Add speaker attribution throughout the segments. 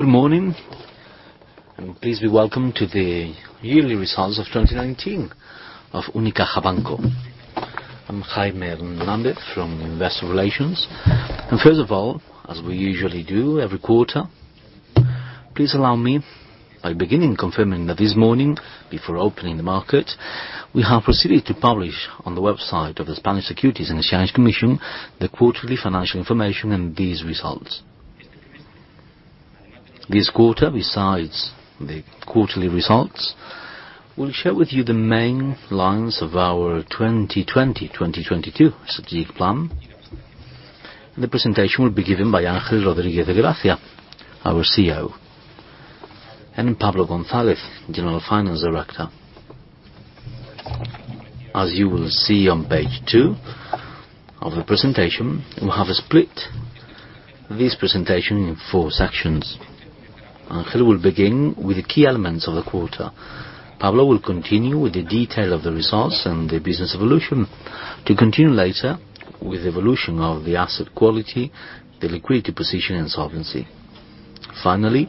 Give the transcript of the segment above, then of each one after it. Speaker 1: Good morning. Please be welcome to the yearly results of 2019 of Unicaja Banco. I'm Jaime Hernandez from Investor Relations. First of all, as we usually do every quarter, please allow me, by beginning confirming that this morning, before opening the market, we have proceeded to publish on the website of the Spanish Securities and Exchange Commission, the quarterly financial information and these results. This quarter, besides the quarterly results, we'll share with you the main lines of our 2020-2022 strategic plan. The presentation will be given by Ángel Rodríguez de Gracia, our CEO, and Pablo Gonzalez, General Finance Director. As you will see on page two of the presentation, we have split this presentation in four sections. Ángel will begin with the key elements of the quarter. Pablo will continue with the detail of the results and the business evolution. To continue later with the evolution of the asset quality, the liquidity position, and solvency. Finally,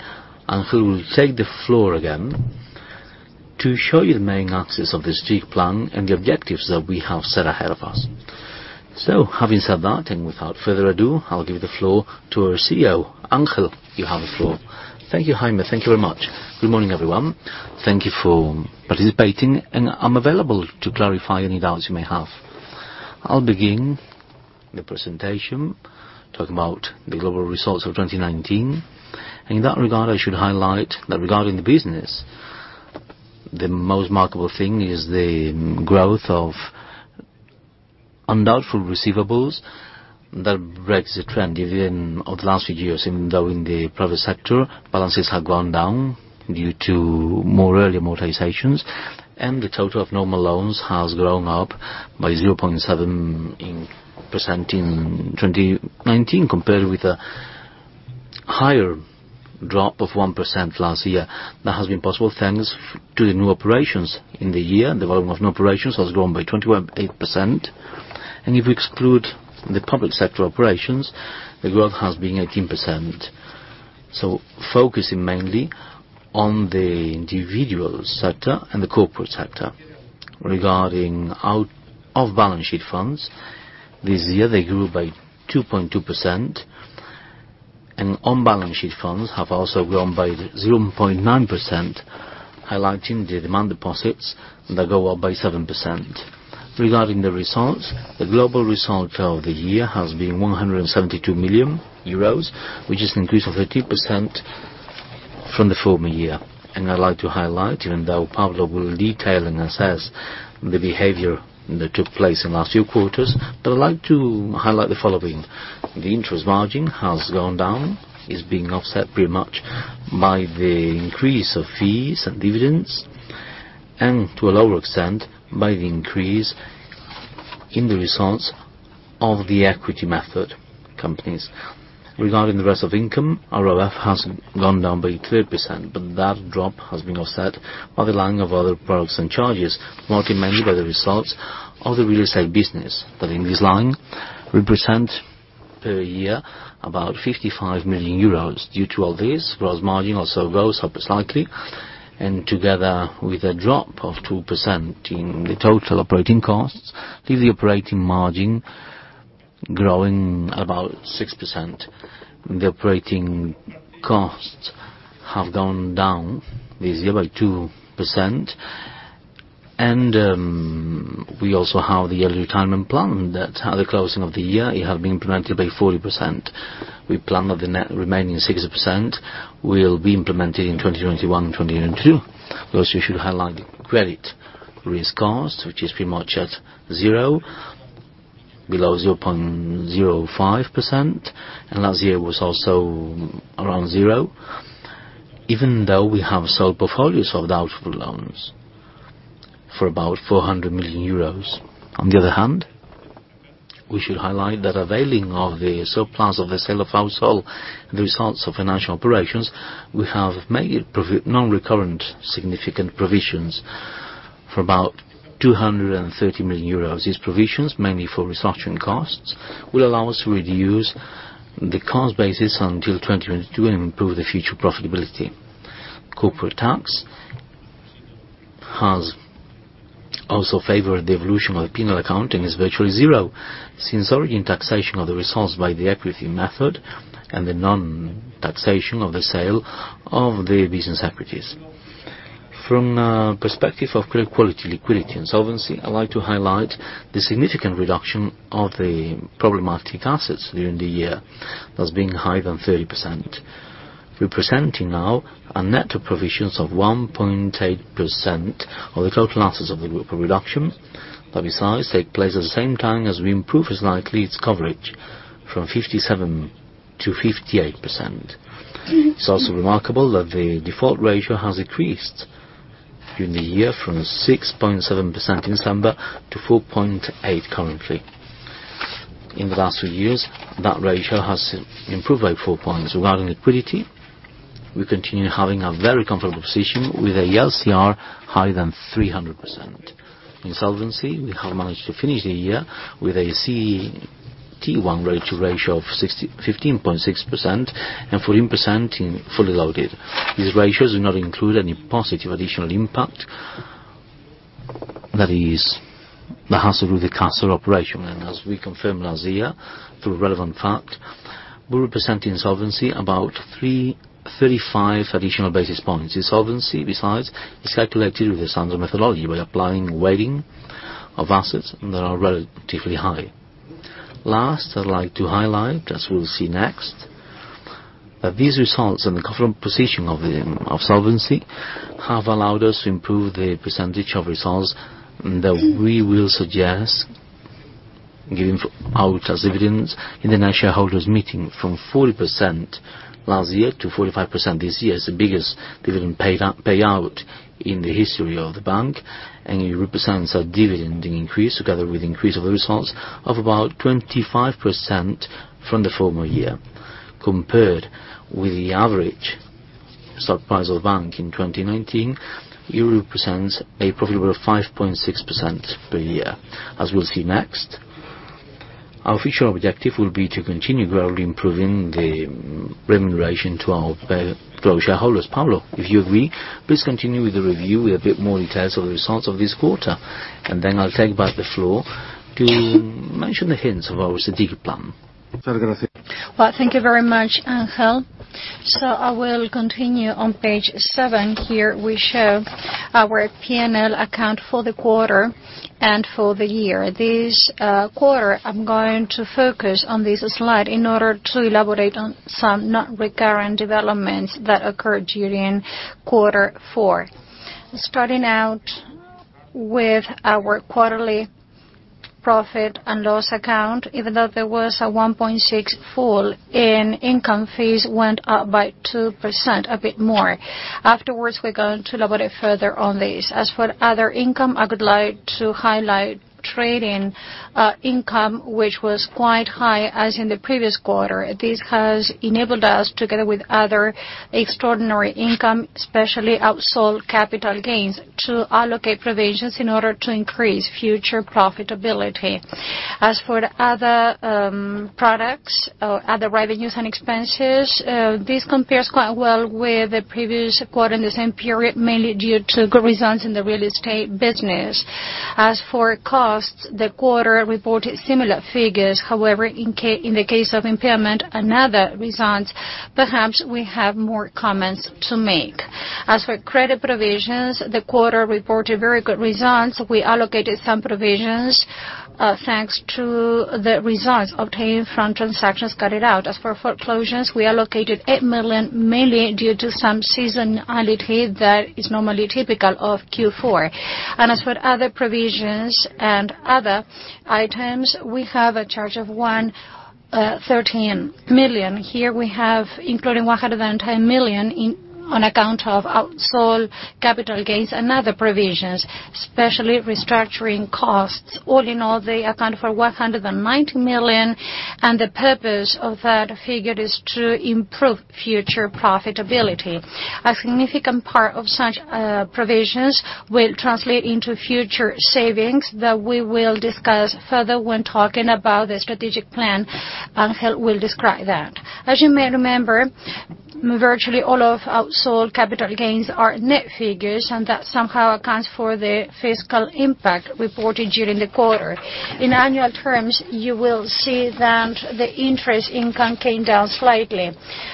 Speaker 1: Ángel will take the floor again to show you the main axis of the strategic plan and the objectives that we have set ahead of us. Having said that, and without further ado, I'll give the floor to our CEO. Ángel, you have the floor.
Speaker 2: Thank you, Jaime. Thank you very much. Good morning, everyone. Thank you for participating, and I'm available to clarify any doubts you may have. I'll begin the presentation talking about the global results of 2019. In that regard, I should highlight that regarding the business, the most remarkable thing is the growth of undoubtful receivables that breaks the trend even of the last few years, even though in the private sector, balances have gone down due to more early amortizations, and the total of normal loans has grown up by 0.7% in 2019, compared with a higher drop of 1% last year. That has been possible, thanks to the new operations in the year. The volume of new operations has grown by 28%. If we exclude the public sector operations, the growth has been 18%. Focusing mainly on the individual sector and the corporate sector. Regarding off-balance sheet funds, this year, they grew by 2.2%. On-balance sheet funds have also grown by 0.9%, highlighting the demand deposits that go up by 7%. Regarding the results, the global result of the year has been 172 million euros, which is an increase of 30% from the former year. I'd like to highlight, even though Pablo will detail and assess the behavior that took place in the last few quarters, but I'd like to highlight the following. The interest margin has gone down. It's being offset pretty much by the increase of fees and dividends, and to a lower extent, by the increase in the results of the equity method companies. Regarding the rest of income, RoF has gone down by 3%, but that drop has been offset by the line of other products and charges, marked mainly by the results of the real estate business. That in this line, represent per year, about 55 million euros. Due to all this, gross margin also grows up slightly, and together with a drop of 2% in the total operating costs, leave the operating margin growing about 6%. The operating costs have gone down this year by 2%, and we also have the early retirement plan that at the closing of the year, it had been implemented by 40%. We plan that the net remaining 60% will be implemented in 2021 and 2022. Also, we should highlight the credit risk cost, which is pretty much at zero, below 0.05%, and last year was also around zero, even though we have sold portfolios of doubtful loans for about 400 million euros. On the other hand, we should highlight that availing of the surplus of the sale of household, the results of financial operations, we have made non-recurrent significant provisions for about 230 million euros. These provisions, mainly for restatement costs, will allow us to reduce the cost basis until 2022 and improve the future profitability. Corporate tax has also favored the evolution of the P&L account and is virtually zero since origin taxation of the results by the equity method and the non-taxation of the sale of the business equities. From a perspective of credit quality, liquidity, and solvency, I'd like to highlight the significant reduction of the problematic assets during the year, thus being higher than 30%, representing now a net of provisions of 1.8% of the total assets of the group, a reduction that besides, take place at the same time as we improve slightly its coverage from 57%-58%. It's also remarkable that the default ratio has increased during the year from 6.7% in December to 4.8% currently. In the last few years, that ratio has improved by four points. Regarding liquidity, we continue having a very comfortable position with a LCR higher than 300%. In solvency, we have managed to finish the year with a CET1 regulatory ratio of 15.6%, and 14% in fully loaded. These ratios do not include any positive additional impact, that is, the house through the Caser operation. As we confirmed last year, through relevant fact, we represent in solvency about 35 additional basis points. The solvency, besides, is calculated with the standard methodology. We're applying weighting of assets that are relatively high. Last, I'd like to highlight, as we'll see next, that these results and the comfortable position of solvency have allowed us to improve the percentage of results that we will suggest giving out as dividends in the next shareholders meeting. From 40% last year to 45% this year, is the biggest dividend payout in the history of the bank, and it represents a dividend increase, together with increase of the results, of about 25% from the former year. Compared with the average share price of the bank in 2019, it represents a profit of 5.6% per year. As we'll see next, our future objective will be to continue gradually improving the remuneration to our global shareholders. Pablo, if you agree, please continue with the review with a bit more details of the results of this quarter, and then I'll take back the floor to mention the hints of our strategic plan.
Speaker 3: Thank you very much, Ángel. I will continue on page seven. Here, we show our P&L account for the quarter and for the year. This quarter, I'm going to focus on this slide in order to elaborate on some not recurring developments that occurred during quarter four. Starting out with our quarterly profit and loss account. Even though there was a 1.6 fall in income, fees went up by 2%, a bit more. Afterwards, we're going to elaborate further on this. As for other income, I would like to highlight trading income, which was quite high as in the previous quarter. This has enabled us, together with other extraordinary income, especially EspañaDuero capital gains, to allocate provisions in order to increase future profitability. Other products, other revenues, and expenses, this compares quite well with the previous quarter in the same period, mainly due to good results in the real estate business. Costs, the quarter reported similar figures. In the case of impairment and other results, perhaps we have more comments to make. Credit provisions, the quarter reported very good results. We allocated some provisions, thanks to the results obtained from transactions carried out. Foreclosures, we allocated 8 million, mainly due to some seasonality that is normally typical of Q4. Other provisions and other items, we have a charge of 113 million. Here, we have including 110 million on account of EspañaDuero capital gains and other provisions, especially restructuring costs. All in all, they account for 190 million. The purpose of that figure is to improve future profitability. A significant part of such provisions will translate into future savings that we will discuss further when talking about the strategic plan. Ángel will describe that. As you may remember, virtually all of EspañaDuero capital gains are net figures, and that somehow accounts for the fiscal impact reported during the quarter. In annual terms, you will see that the interest income came down slightly.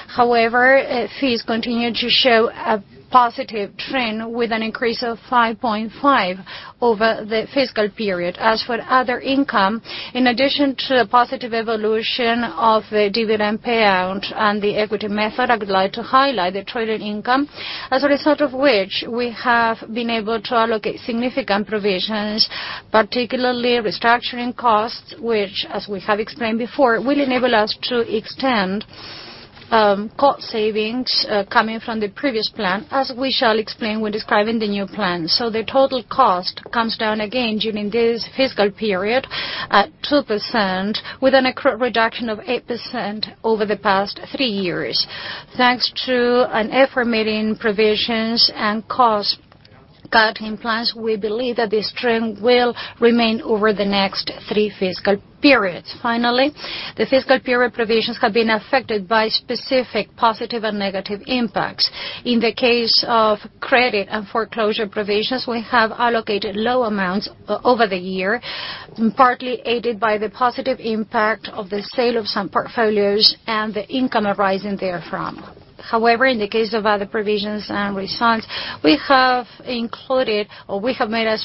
Speaker 3: However, fees continued to show a positive trend with an increase of 5.5% over the fiscal period. As for other income, in addition to the positive evolution of the dividend payout and the equity method, I would like to highlight the trading income. As a result of which, we have been able to allocate significant provisions, particularly restructuring costs, which, as we have explained before, will enable us to extend cost savings coming from the previous plan, as we shall explain when describing the new plan. The total cost comes down again during this fiscal period at 2%, with an accurate reduction of 8% over the past three years. Thanks to an effort made in provisions and cost-cutting plans, we believe that this trend will remain over the next three fiscal periods. The fiscal period provisions have been affected by specific positive and negative impacts. In the case of credit and foreclosure provisions, we have allocated low amounts over the year, partly aided by the positive impact of the sale of some portfolios and the income arising therefrom. In the case of other provisions and results, we have included or we have made a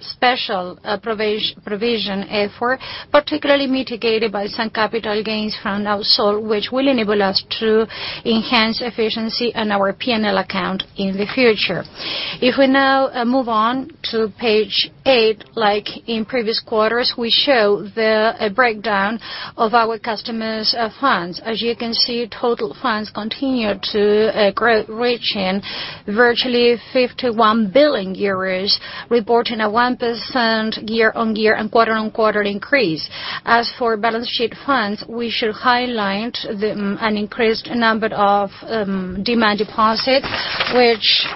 Speaker 3: special provision effort, particularly mitigated by some capital gains from EspañaDuero, which will enable us to enhance efficiency in our P&L account in the future. If we now move on to page eight, like in previous quarters, we show the breakdown of our customers' funds. As you can see, total funds continued to grow, reaching virtually 51 billion euros, reporting a 1% year-on-year and quarter-on-quarter increase. As for balance sheet funds, we should highlight an increased number of demand deposits, which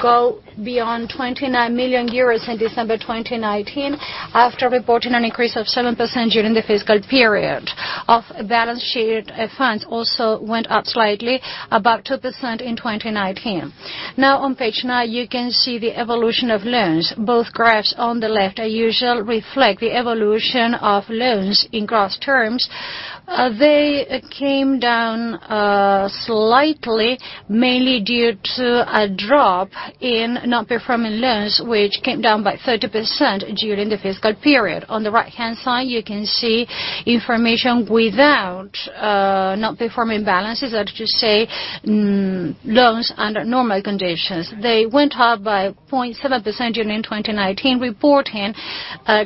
Speaker 3: go beyond 29 million euros in December 2019, after reporting an increase of 7% during the fiscal period. Off-balance sheet funds also went up slightly, about 2% in 2019. Now on page nine, you can see the evolution of loans. Both graphs on the left as usual, reflect the evolution of loans in gross terms. They came down slightly, mainly due to a drop in non-performing loans, which came down by 30% during the fiscal period. On the right-hand side, you can see information without not performing balances, that is to say, loans under normal conditions. They went up by 0.7% during 2019, reporting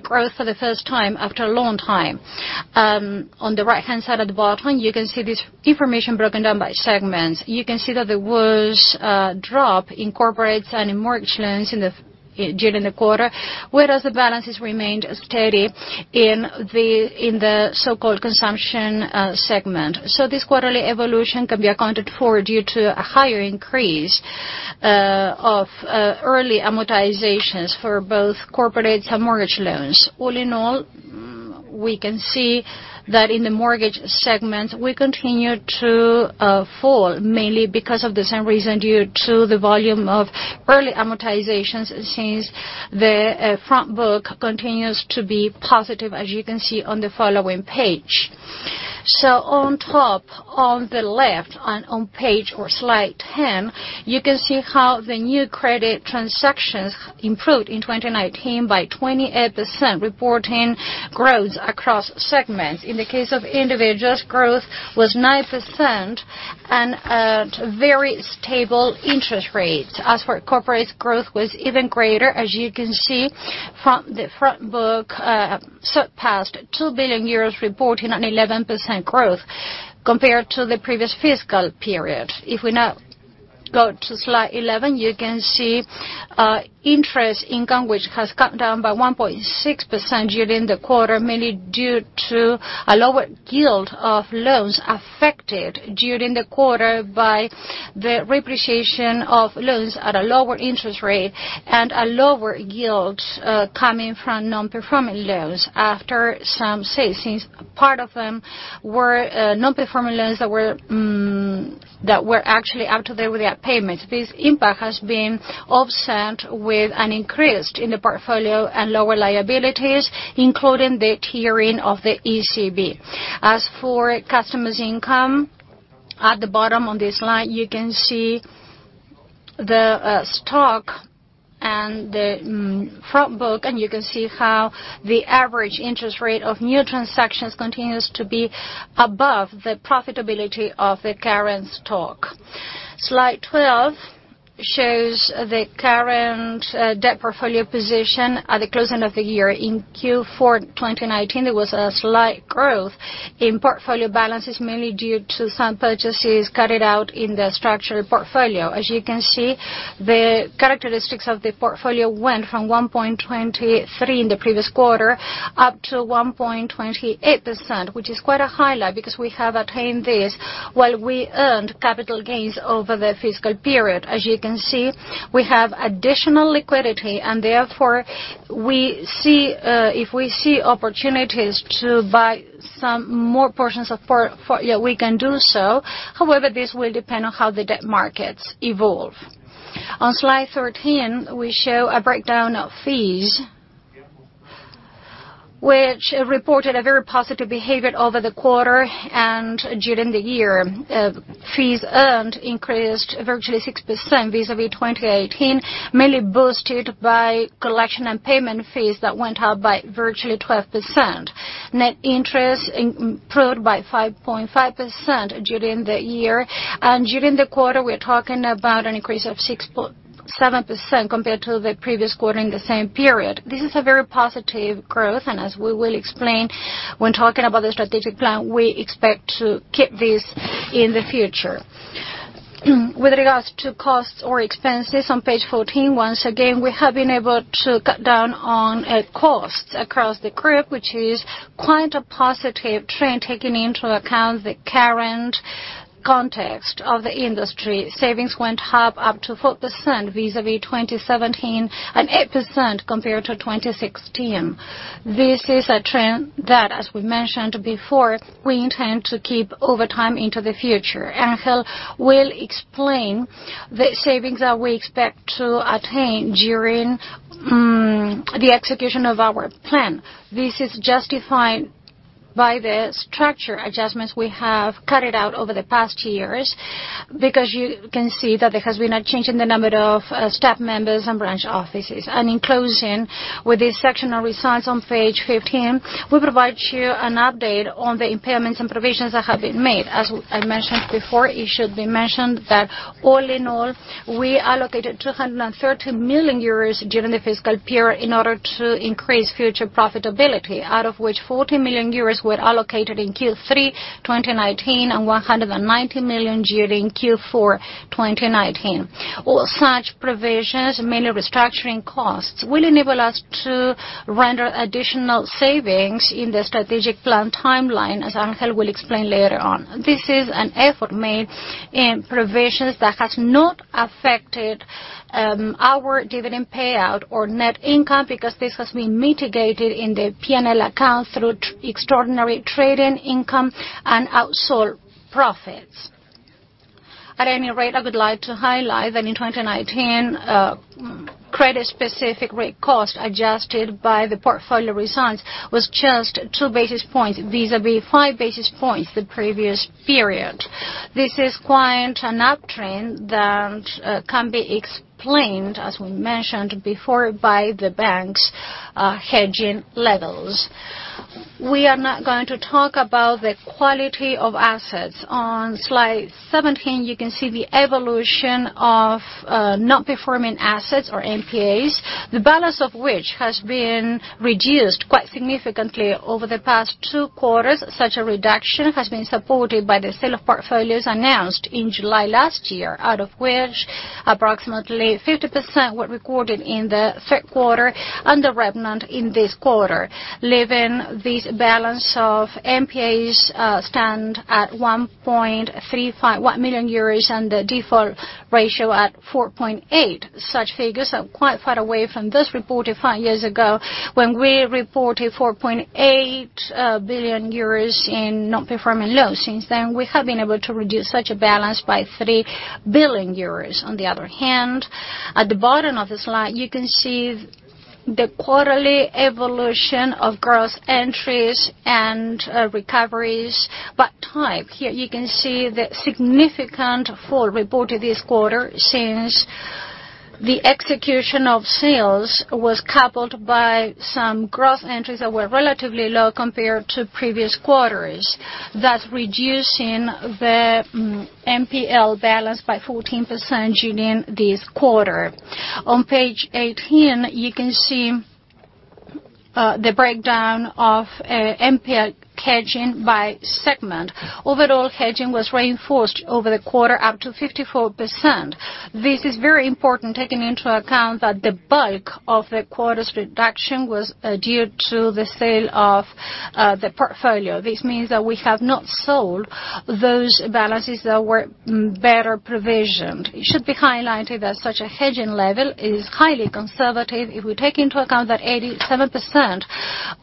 Speaker 3: growth for the first time after a long time. On the right-hand side at the bottom, you can see this information broken down by segments. You can see that there was a drop in corporate and mortgage loans during the quarter, whereas the balances remained steady in the so-called consumption segment. This quarterly evolution can be accounted for due to a higher increase of early amortizations for both corporate and mortgage loans. All in all, we can see that in the mortgage segment, we continue to fall, mainly because of the same reason, due to the volume of early amortizations, since the front book continues to be positive, as you can see on the following page. On top, on the left, and on page or slide 10, you can see how the new credit transactions improved in 2019 by 28%, reporting growth across segments. In the case of individuals, growth was 9% and at very stable interest rates. As for corporate growth was even greater, as you can see, the front book surpassed 2 billion euros, reporting an 11% growth compared to the previous fiscal period. If we now go to slide 11, you can see interest income, which has cut down by 1.6% during the quarter, mainly due to a lower yield of loans affected during the quarter by the depreciation of loans at a lower interest rate and a lower yield coming from non-performing loans after some sales, since part of them were non-performing loans that were actually up to date with their payments. This impact has been offset with an increase in the portfolio and lower liabilities, including the tiering of the ECB. As for customers' income, at the bottom on this slide, you can see the stock and the front book, and you can see how the average interest rate of new transactions continues to be above the profitability of the current stock. Slide 12 shows the current debt portfolio position at the close-end of the year. In Q4 2019, there was a slight growth in portfolio balances, mainly due to some purchases carried out in the structured portfolio. As you can see, the characteristics of the portfolio went from 1.23 in the previous quarter up to 1.28%, which is quite a highlight because we have attained this while we earned capital gains over the fiscal period. As you can see, we have additional liquidity, therefore, if we see opportunities to buy some more portions of portfolio, we can do so. However, this will depend on how the debt markets evolve. On slide 13, we show a breakdown of fees, which reported a very positive behavior over the quarter and during the year. Fees earned increased virtually 6% vis-à-vis 2018, mainly boosted by collection and payment fees that went up by virtually 12%. Net interest improved by 5.5% during the year. During the quarter, we're talking about an increase of 7% compared to the previous quarter in the same period. This is a very positive growth, as we will explain when talking about the strategic plan, we expect to keep this in the future. With regards to costs or expenses on page 14, once again, we have been able to cut down on costs across the group, which is quite a positive trend, taking into account the current context of the industry. Savings went up to 4% vis-à-vis 2017 and 8% compared to 2016. This is a trend that, as we mentioned before, we intend to keep over time into the future. Ángel will explain the savings that we expect to attain during the execution of our plan. This is justified by the structure adjustments we have carried out over the past years, because you can see that there has been a change in the number of staff members and branch offices. In closing, with this section of results on page 15, we provide you an update on the impairments and provisions that have been made. As I mentioned before, it should be mentioned that all in all, we allocated 230 million euros during the fiscal period in order to increase future profitability, out of which 40 million euros were allocated in Q3 2019 and 190 million during Q4 2019. All such provisions, mainly restructuring costs, will enable us to render additional savings in the strategic plan timeline, as Ángel will explain later on. This is an effort made in provisions that has not affected our dividend payout or net income because this has been mitigated in the P&L account through extraordinary trading income and outsized profits. At any rate, I would like to highlight that in 2019, credit-specific rate cost, adjusted by the portfolio resigns, was just two basis points, vis-à-vis five basis points the previous period. This is quite an uptrend that can be explained, as we mentioned before, by the bank's hedging levels. We are now going to talk about the quality of assets. On slide 17, you can see the evolution of non-performing assets, or NPAs, the balance of which has been reduced quite significantly over the past two quarters. Such a reduction has been supported by the sale of portfolios announced in July last year, out of which approximately 50% were recorded in the third quarter and the remnant in this quarter, leaving this balance of NPAs stand at 1,351 million euros and the default ratio at 4.8. Such figures are quite far away from those reported five years ago when we reported 4.8 billion euros in non-performing loans. Since then, we have been able to reduce such a balance by 3 billion euros. On the other hand, at the bottom of the slide, you can see the quarterly evolution of gross entries and recoveries by type. Here you can see the significant fall reported this quarter, since the execution of sales was coupled by some gross entries that were relatively low compared to previous quarters, thus reducing the NPL balance by 14% during this quarter. On page 18, you can see the breakdown of NPL hedging by segment. Overall hedging was reinforced over the quarter, up to 54%. This is very important, taking into account that the bulk of the quarter's reduction was due to the sale of the portfolio. This means that we have not sold those balances that were better provisioned. It should be highlighted that such a hedging level is highly conservative if we take into account that 87%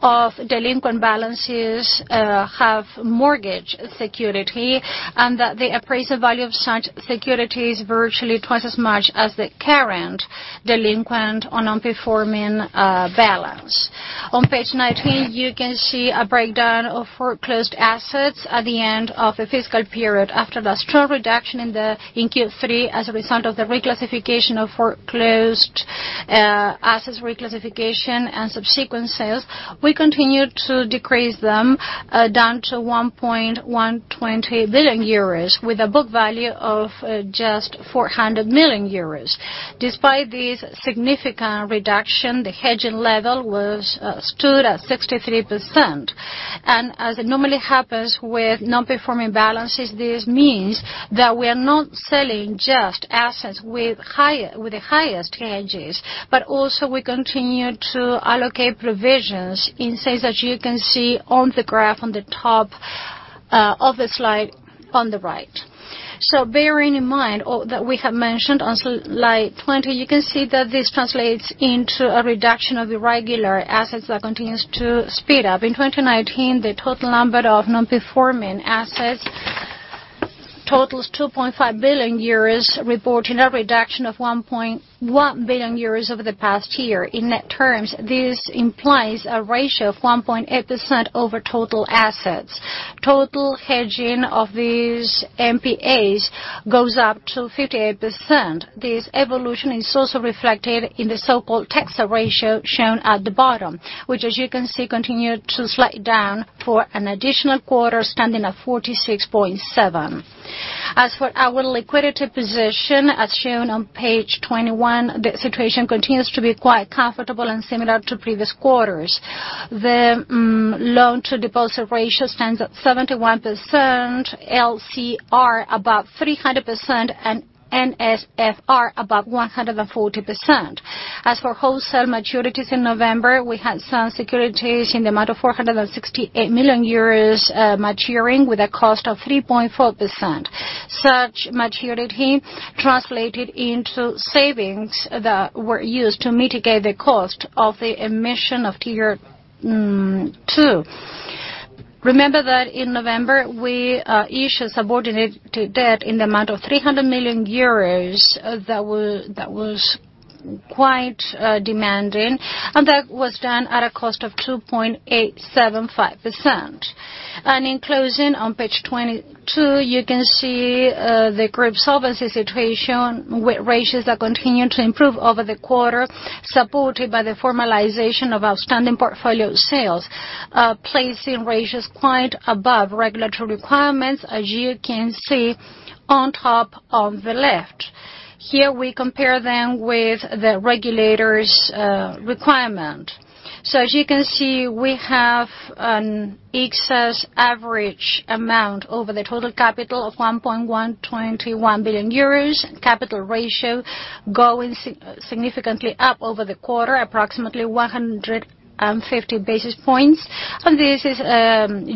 Speaker 3: of delinquent balances have mortgage security, and that the appraised value of such security is virtually twice as much as the current delinquent or non-performing balance. On page 19, you can see a breakdown of foreclosed assets at the end of the fiscal period. After the strong reduction in Q3 as a result of the reclassification of foreclosed assets, reclassification and subsequent sales, we continued to decrease them, down to 1.120 billion euros, with a book value of just 400 million euros. Despite this significant reduction, the hedging level stood at 63%. As it normally happens with non-performing balances, this means that we're not selling just assets with the highest hedges, but also we continue to allocate provisions in sales, as you can see on the graph on the top of the slide on the right. Bearing in mind all that we have mentioned, on slide 20, you can see that this translates into a reduction of irregular assets that continues to speed up. In 2019, the total number of non-performing assets totals 2.5 billion euros, reporting a reduction of 1.1 billion euros over the past year. In net terms, this implies a ratio of 1.8% over total assets. Total hedging of these NPAs goes up to 58%. This evolution is also reflected in the so-called Texas ratio shown at the bottom, which as you can see continued to slide down for an additional quarter, standing at 46.7%. As for our liquidity position, as shown on page 21, the situation continues to be quite comfortable and similar to previous quarters. The loan-to-deposit ratio stands at 71%, LCR above 300%, and NSFR above 140%. As for wholesale maturities in November, we had some securities in the amount of 468 million euros maturing with a cost of 3.4%. Such maturity translated into savings that were used to mitigate the cost of the emission of Tier 2. Remember that in November, we issued subordinated debt in the amount of 300 million euros. That was quite demanding. That was done at a cost of 2.875%. In closing, on page 22, you can see the group solvency situation, with ratios that continued to improve over the quarter, supported by the formalization of outstanding portfolio sales, placing ratios quite above regulatory requirements, as you can see on top of the left. Here we compare them with the regulator's requirement. As you can see, we have an excess average amount over the total capital of 1.121 billion euros. Capital ratio going significantly up over the quarter, approximately 150 basis points. This is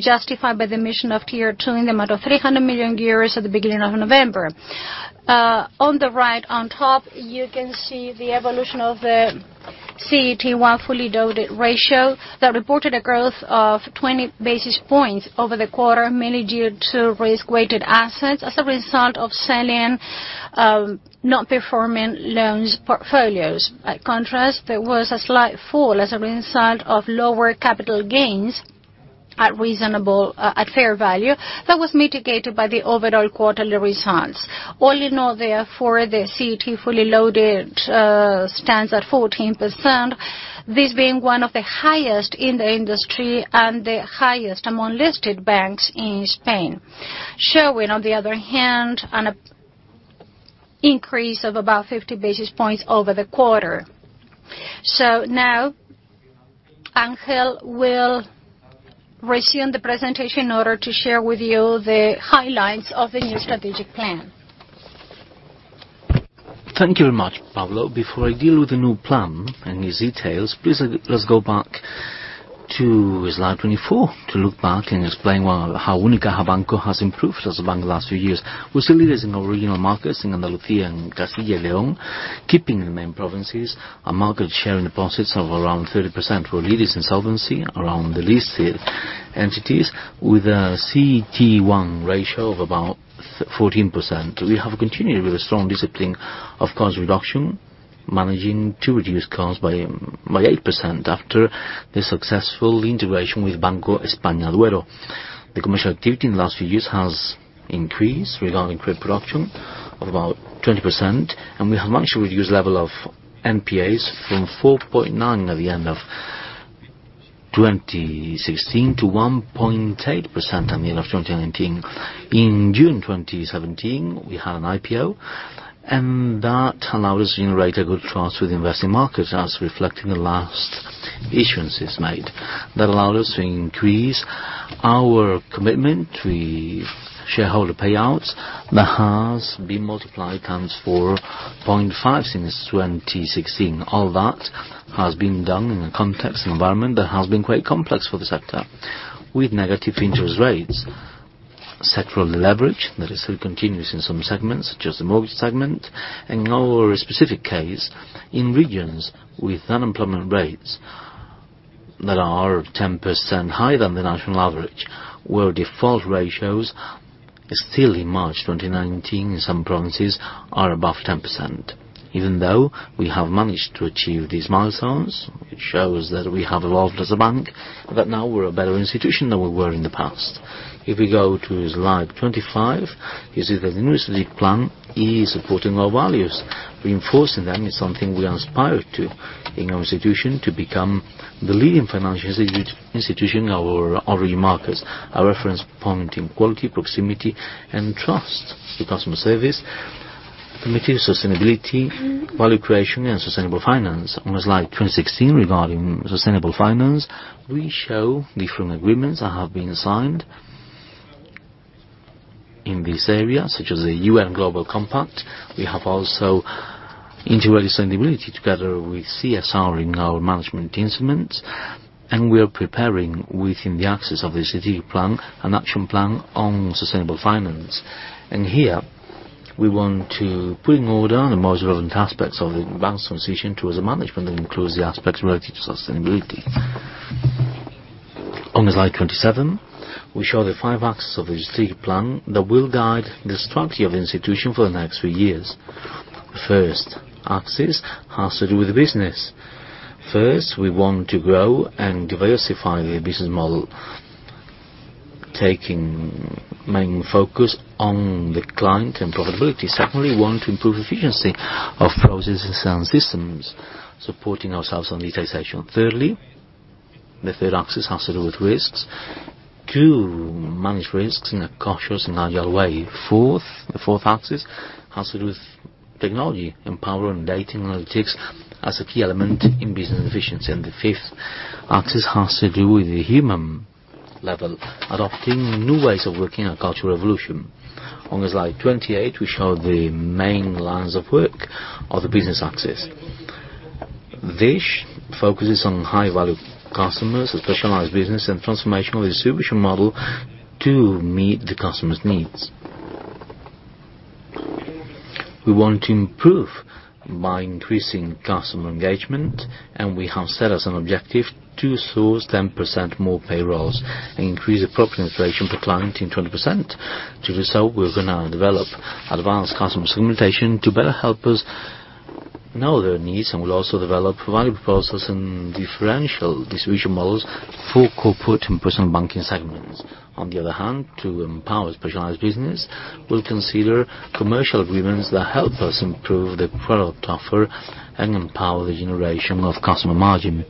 Speaker 3: justified by the mission of Tier 2 in the amount of 300 million euros at the beginning of November. On the right on top, you can see the evolution of the CET1 fully loaded ratio that reported a growth of 20 basis points over the quarter, mainly due to Risk-Weighted Assets as a result of selling Non-Performing Loans portfolios. There was a slight fall as a result of lower capital gains at fair value that was mitigated by the overall quarterly results. The CET1 fully loaded stands at 14%, this being one of the highest in the industry and the highest among listed banks in Spain, showing an increase of about 50 basis points over the quarter. Now, Ángel will resume the presentation in order to share with you the highlights of the new strategic plan.
Speaker 2: Thank you very much, Pablo. Before I deal with the new plan and its details, please, let's go back to slide 24 to look back and explain how Unicaja Banco has improved as a bank in the last few years. We're still leaders in our regional markets in Andalucía and Castilla y León, keeping the main provinces, a market share in deposits of around 30%, we're leaders in solvency, among the listed entities, with a CET1 ratio of about 14%. We have continued with a strong discipline of cost reduction, managing to reduce costs by 8% after the successful integration with Banco España Duero. The commercial activity in the last few years has increased regarding credit production of about 20%, and we have managed to reduce level of NPAs from 4.9% at the end of 2016 to 1.8% at the end of 2019. In June 2017, we had an IPO. That allowed us to generate a good trust with investing markets, as reflected in the last issuances made. That allowed us to increase our commitment to shareholder payouts that has been multiplied times 4.5 since 2016. All that has been done in a context, environment, that has been quite complex for the sector, with negative interest rates, sectoral leverage that still continues in some segments, such as the mortgage segment. In our specific case, in regions with unemployment rates that are 10% higher than the national average, where default ratios still in March 2019 in some provinces are above 10%. Even though we have managed to achieve these milestones, which shows that we have evolved as a bank, that now we're a better institution than we were in the past. If we go to slide 25, you see that the new strategic plan is supporting our values. Reinforcing them is something we aspire to in our institution to become the leading financial institution in our regional markets, a reference point in quality, proximity, and trust to customer service, committing to sustainability, value creation, and sustainable finance. On slide 26, regarding sustainable finance, we show different agreements that have been signed in this area, such as the UN Global Compact. We have also integrated sustainability together with CSR in our management instruments, and we are preparing, within the axes of the strategic plan, an action plan on sustainable finance. Here, we want to put in order the most relevant aspects of the bank's transition towards a management that includes the aspects related to sustainability. On slide 27, we show the five axes of the strategic plan that will guide the strategy of the institution for the next few years. First axis has to do with the business. First, we want to grow and diversify the business model, taking main focus on the client and profitability. Secondly, we want to improve efficiency of processes and systems, supporting ourselves on digitization. Thirdly, the third axis has to do with risks, to manage risks in a cautious and agile way. Fourth, the fourth axis, has to do with technology, empower and data analytics as a key element in business efficiency. The fifth axis has to do with the human level, adopting new ways of working, a cultural revolution. On slide 28, we show the main lines of work of the business axis. This focuses on high-value customers, a specialized business, and transformational distribution model to meet the customer's needs. We want to improve by increasing customer engagement, and we have set as an objective to source 10% more payrolls and increase the product penetration per client in 20%. To do so, we're going to develop advanced customer segmentation to better help us know their needs, and we'll also develop valuable proposals and differential distribution models for corporate and personal banking segments. On the other hand, to empower specialized business, we'll consider commercial agreements that help us improve the product offer and empower the generation of customer margin.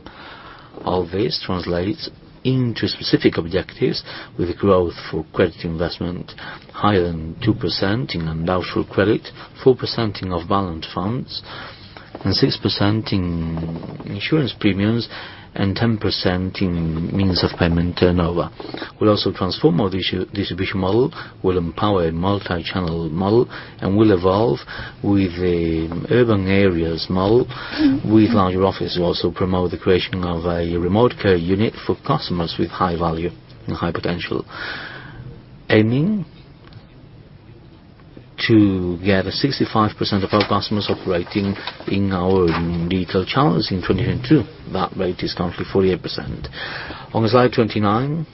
Speaker 2: All this translates into specific objectives with a growth for credit investment higher than 2% in doubtful credit, 4% in off-balance funds, and 6% in insurance premiums, and 10% in means of payment turnover. We'll also transform our distribution model. We'll empower a multi-channel model. We'll evolve with the urban areas model with larger offices. We'll also promote the creation of a remote care unit for customers with high value and high potential. Aiming to get a 65% of our customers operating in our digital channels in 2022. That rate is currently 48%. On slide 29,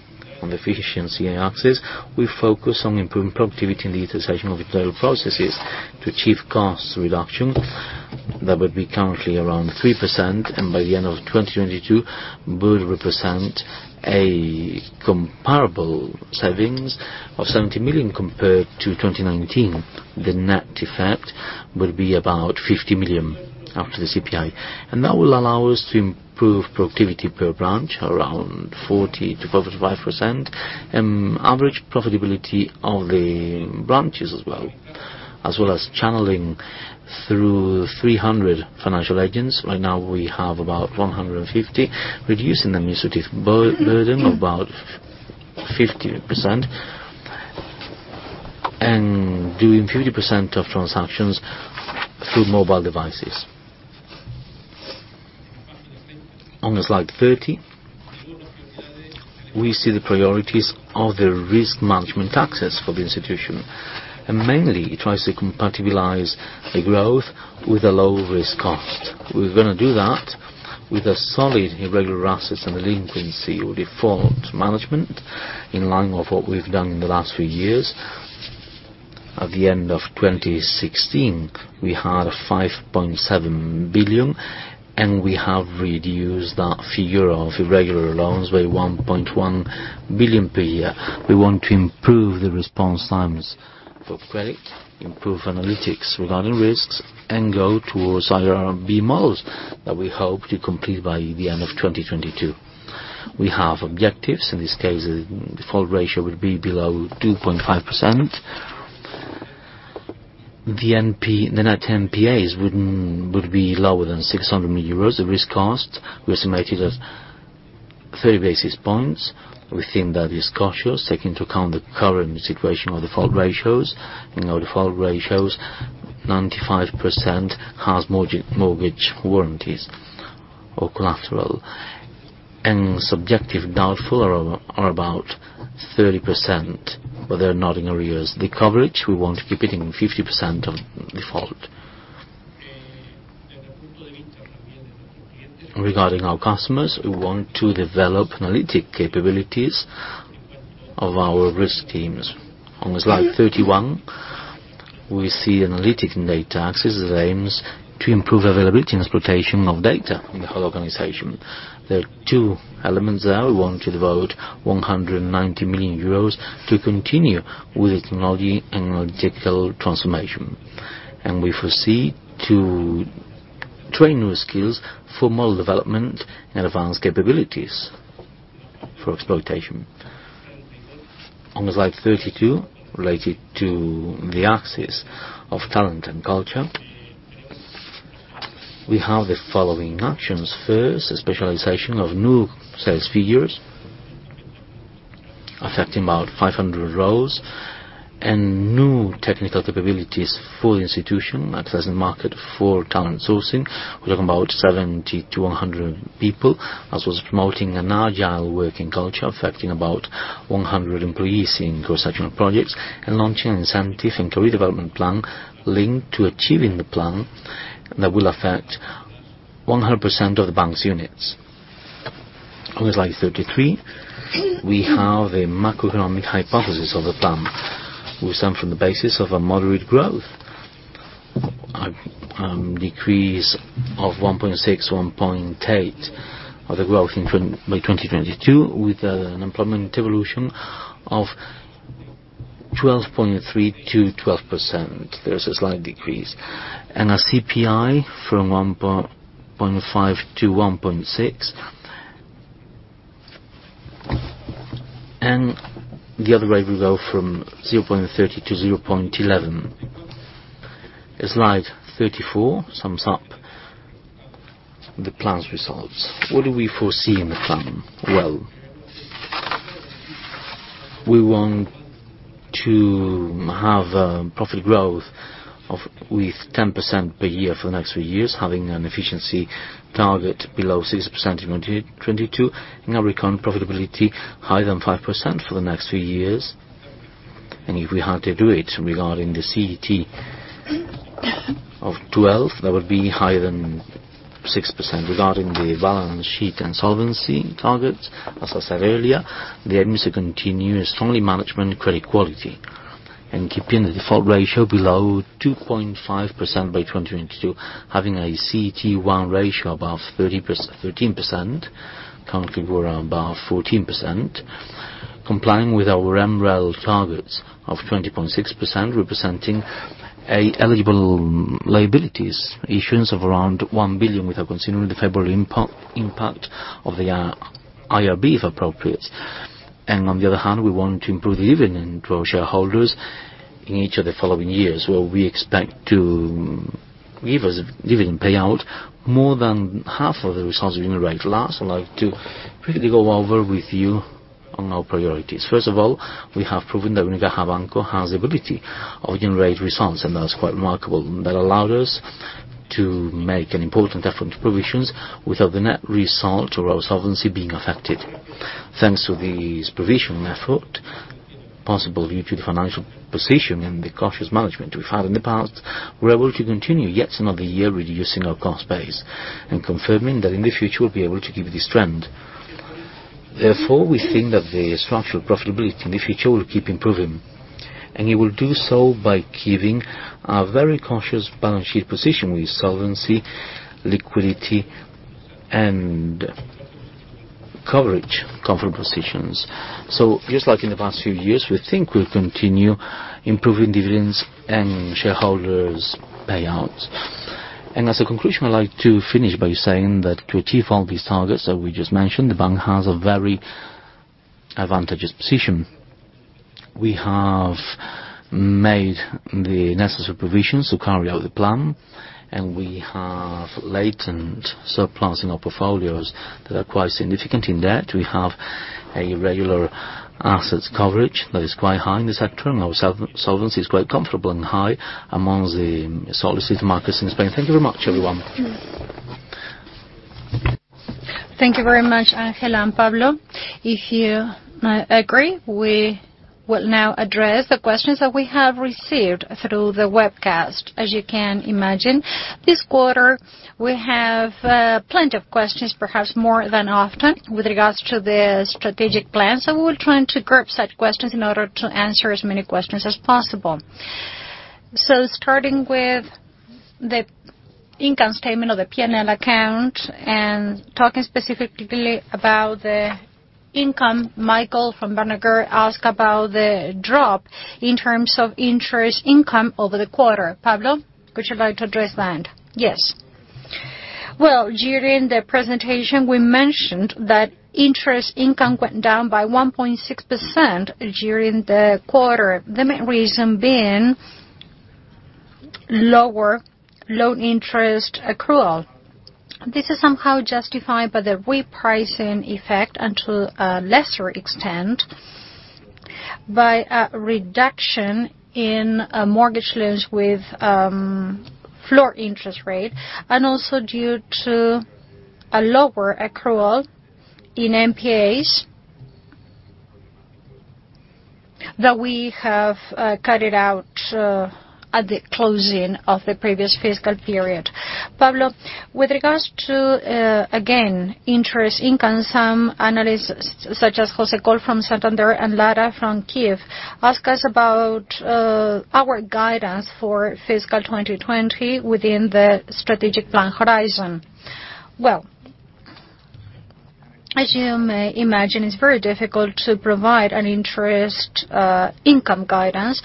Speaker 2: on the efficiency axis, we focus on improving productivity and digitization of internal processes to achieve cost reduction. That would be currently around 3%, and by the end of 2022, will represent a comparable savings of 70 million compared to 2019. The net effect will be about 50 million after the CPI. That will allow us to improve productivity per branch, around 40%-45%, and average profitability of the branches as well, as well as channeling through 300 financial agents. Right now, we have about 150, reducing administrative burden of about 50%, and doing 50% of transactions through mobile devices. On slide 30, we see the priorities of the risk management access for the institution. Mainly, it tries to compatibilize a growth with a low risk cost. We're going to do that with a solid irregular assets and delinquency or default management, in line of what we've done in the last few years. At the end of 2016, we had 5.7 billion, and we have reduced that figure of irregular loans by 1.1 billion per year. We want to improve the response times for credit, improve analytics regarding risks, and go towards IRB models, that we hope to complete by the end of 2022. We have objectives. In this case, the default ratio will be below 2.5%. The net NPAs would be lower than 600 million euros. The risk cost, we estimate it at 30 basis points. We think that is cautious, taking into account the current situation of default ratios. Default ratios, 95% has mortgage warranties or collateral. Subjective doubtful are about 30%, but they're not in arrears. The coverage, we want to keep it in 50% of default. Regarding our customers, we want to develop analytic capabilities of our risk teams. On slide 31, we see analytic and data access aims to improve availability and exploitation of data in the whole organization. There are two elements there. We want to devote 190 million euros to continue with technology and analytical transformation. We foresee to train new skills for model development and advanced capabilities for exploitation. On slide 32, related to the axis of talent and culture, we have the following actions. First, a specialization of new sales figures, affecting about 500 roles, and new technical capabilities for the institution, accessing market for talent sourcing. We're talking about 70-100 people, as well as promoting an agile working culture, affecting about 100 employees in cross-sectional projects, and launching an incentive and career development plan linked to achieving the plan that will affect 100% of the bank's units. On slide 33, we have a macroeconomic hypothesis of the plan, which stem from the basis of a moderate growth, a decrease of 1.6, 1.8 of the growth by 2022, with an employment evolution of 12.3%-12%. There is a slight decrease. A CPI from 1.5-1.6. The other way, we go from 0.30-0.11. Slide 34 sums up the plan's results. What do we foresee in the plan? Well, we want to have profit growth with 10% per year for the next three years, having an efficiency target below 6% in 2022, and a return on profitability higher than 5% for the next three years. If we had to do it regarding the CET of 12, that would be higher than 6%. Regarding the balance sheet and solvency targets, as I said earlier, the aim is to continue a strong management credit quality and keeping the default ratio below 2.5% by 2022, having a CET1 ratio above 13%. Currently, we're above 14%. Complying with our MREL targets of 20.6%, representing eligible liabilities, issuance of around 1 billion, without considering the favorable impact of the IRB, if appropriate. On the other hand, we want to improve the dividend to our shareholders in each of the following years, where we expect to give a dividend payout more than half of the results generated last. I'd like to briefly go over with you on our priorities. First of all, we have proven that Unicaja Banco has the ability of generate results, and that's quite remarkable. That allowed us to make an important effort into provisions without the net result or our solvency being affected. Thanks to this provision effort, possible due to the financial position and the cautious management we've had in the past, we're able to continue yet another year reducing our cost base and confirming that in the future, we'll be able to keep this trend. We think that the structural profitability in the future will keep improving, and it will do so by keeping a very cautious balance sheet position with solvency, liquidity, and coverage comfort positions. Just like in the past few years, we think we'll continue improving dividends and shareholders' payouts. As a conclusion, I'd like to finish by saying that to achieve all these targets that we just mentioned, the bank has a very advantageous position. We have made the necessary provisions to carry out the plan, and we have latent surplus in our portfolios that are quite significant. In debt, we have a regular assets coverage that is quite high in the sector, and our solvency is quite comfortable and high amongst the associated markets in Spain. Thank you very much, everyone.
Speaker 4: Thank you very much, Ángel and Pablo. We will now address the questions that we have received through the webcast. You can imagine, this quarter, we have plenty of questions, perhaps more than often, with regards to the strategic plan. We will try to group such questions in order to answer as many questions as possible. Starting with the income statement or the P&L account and talking specifically about the income, Michael from Berenberg asked about the drop in terms of interest income over the quarter. Pablo, would you like to address that?
Speaker 3: Yes. During the presentation, we mentioned that interest income went down by 1.6% during the quarter. The main reason being lower loan interest accrual. This is somehow justified by the repricing effect and, to a lesser extent, by a reduction in mortgage loans with floor interest rate. Also due to a lower accrual in NPAs that we have carried out at the closing of the previous fiscal period.
Speaker 4: Pablo, with regards to, again, interest income, some analysts, such as Jose Coll from Santander and Lara from KBW, ask us about our guidance for fiscal 2020 within the strategic plan horizon.
Speaker 3: Well, as you may imagine, it's very difficult to provide an interest income guidance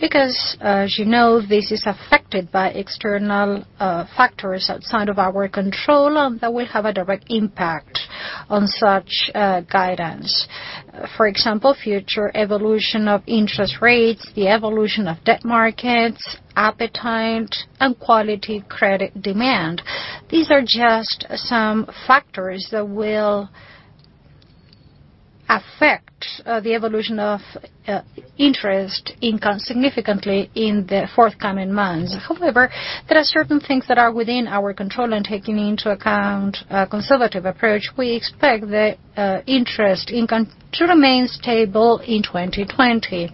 Speaker 3: because, as you know, this is affected by external factors outside of our control. That will have a direct impact on such guidance. For example, future evolution of interest rates, the evolution of debt markets, appetite, and quality credit demand. These are just some factors that will affect the evolution of interest income significantly in the forthcoming months. However, there are certain things that are within our control, and taking into account a conservative approach, we expect the interest income to remain stable in 2020.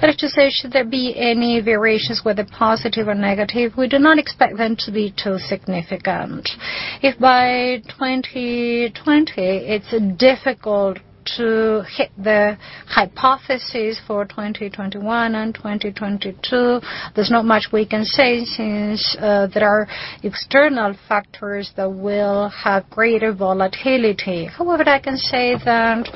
Speaker 3: That is to say, should there be any variations, whether positive or negative, we do not expect them to be too significant. If by 2020, it is difficult to hit the hypothesis for 2021 and 2022, there is not much we can say since there are external factors that will have greater volatility. However, I can say that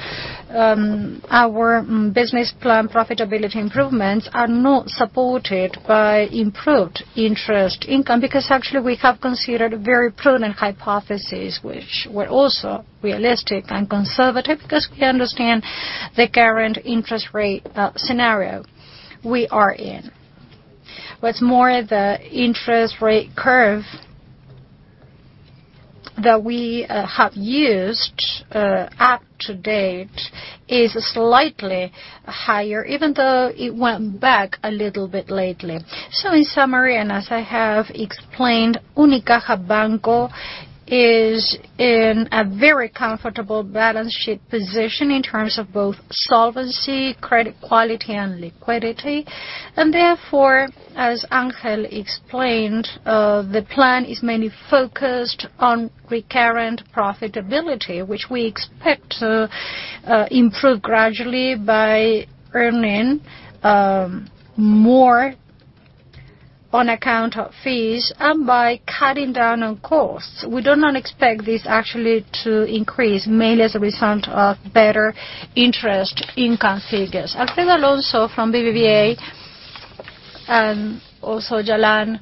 Speaker 3: our business plan profitability improvements are not supported by improved interest income because actually, we have considered very prudent hypotheses, which were also realistic and conservative because we understand the current interest rate scenario we are in.
Speaker 1: What's more, the interest rate curve that we have used up to date is slightly higher, even though it went back a little bit lately. In summary, and as I have explained, Unicaja Banco is in a very comfortable balance sheet position in terms of both solvency, credit quality, and liquidity. Therefore, as Ángel explained, the plan is mainly focused on recurrent profitability, which we expect to improve gradually by earning more on account of fees and by cutting down on costs. We do not expect this actually to increase, mainly as a result of better interest income figures. Alfredo Alonso from BBVA, and also Jalan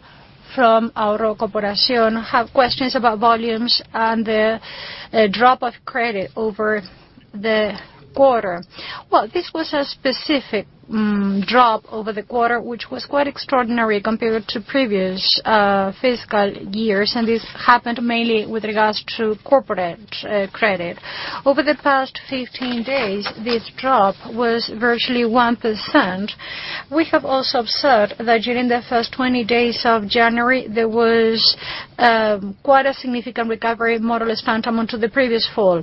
Speaker 1: from Alantra Equities, have questions about volumes and the drop of credit over the quarter. Well, this was a specific drop over the quarter, which was quite extraordinary compared to previous fiscal years, and this happened mainly with regards to corporate credit.
Speaker 2: Over the past 15 days, this drop was virtually 1%. We have also observed that during the first 20 days of January, there was quite a significant recovery, more or less tantamount to the previous fall.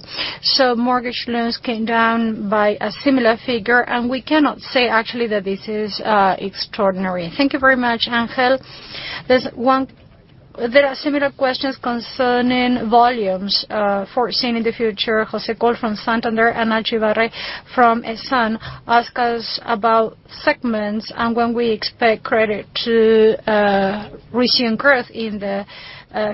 Speaker 2: Mortgage loans came down by a similar figure, and we cannot say actually that this is extraordinary.
Speaker 4: Thank you very much, Ángel. There are similar questions concerning volumes foreseen in the future. Jose Coll from Santander and Alvaro Chavez from Exane ask us about segments and when we expect credit to resume growth in the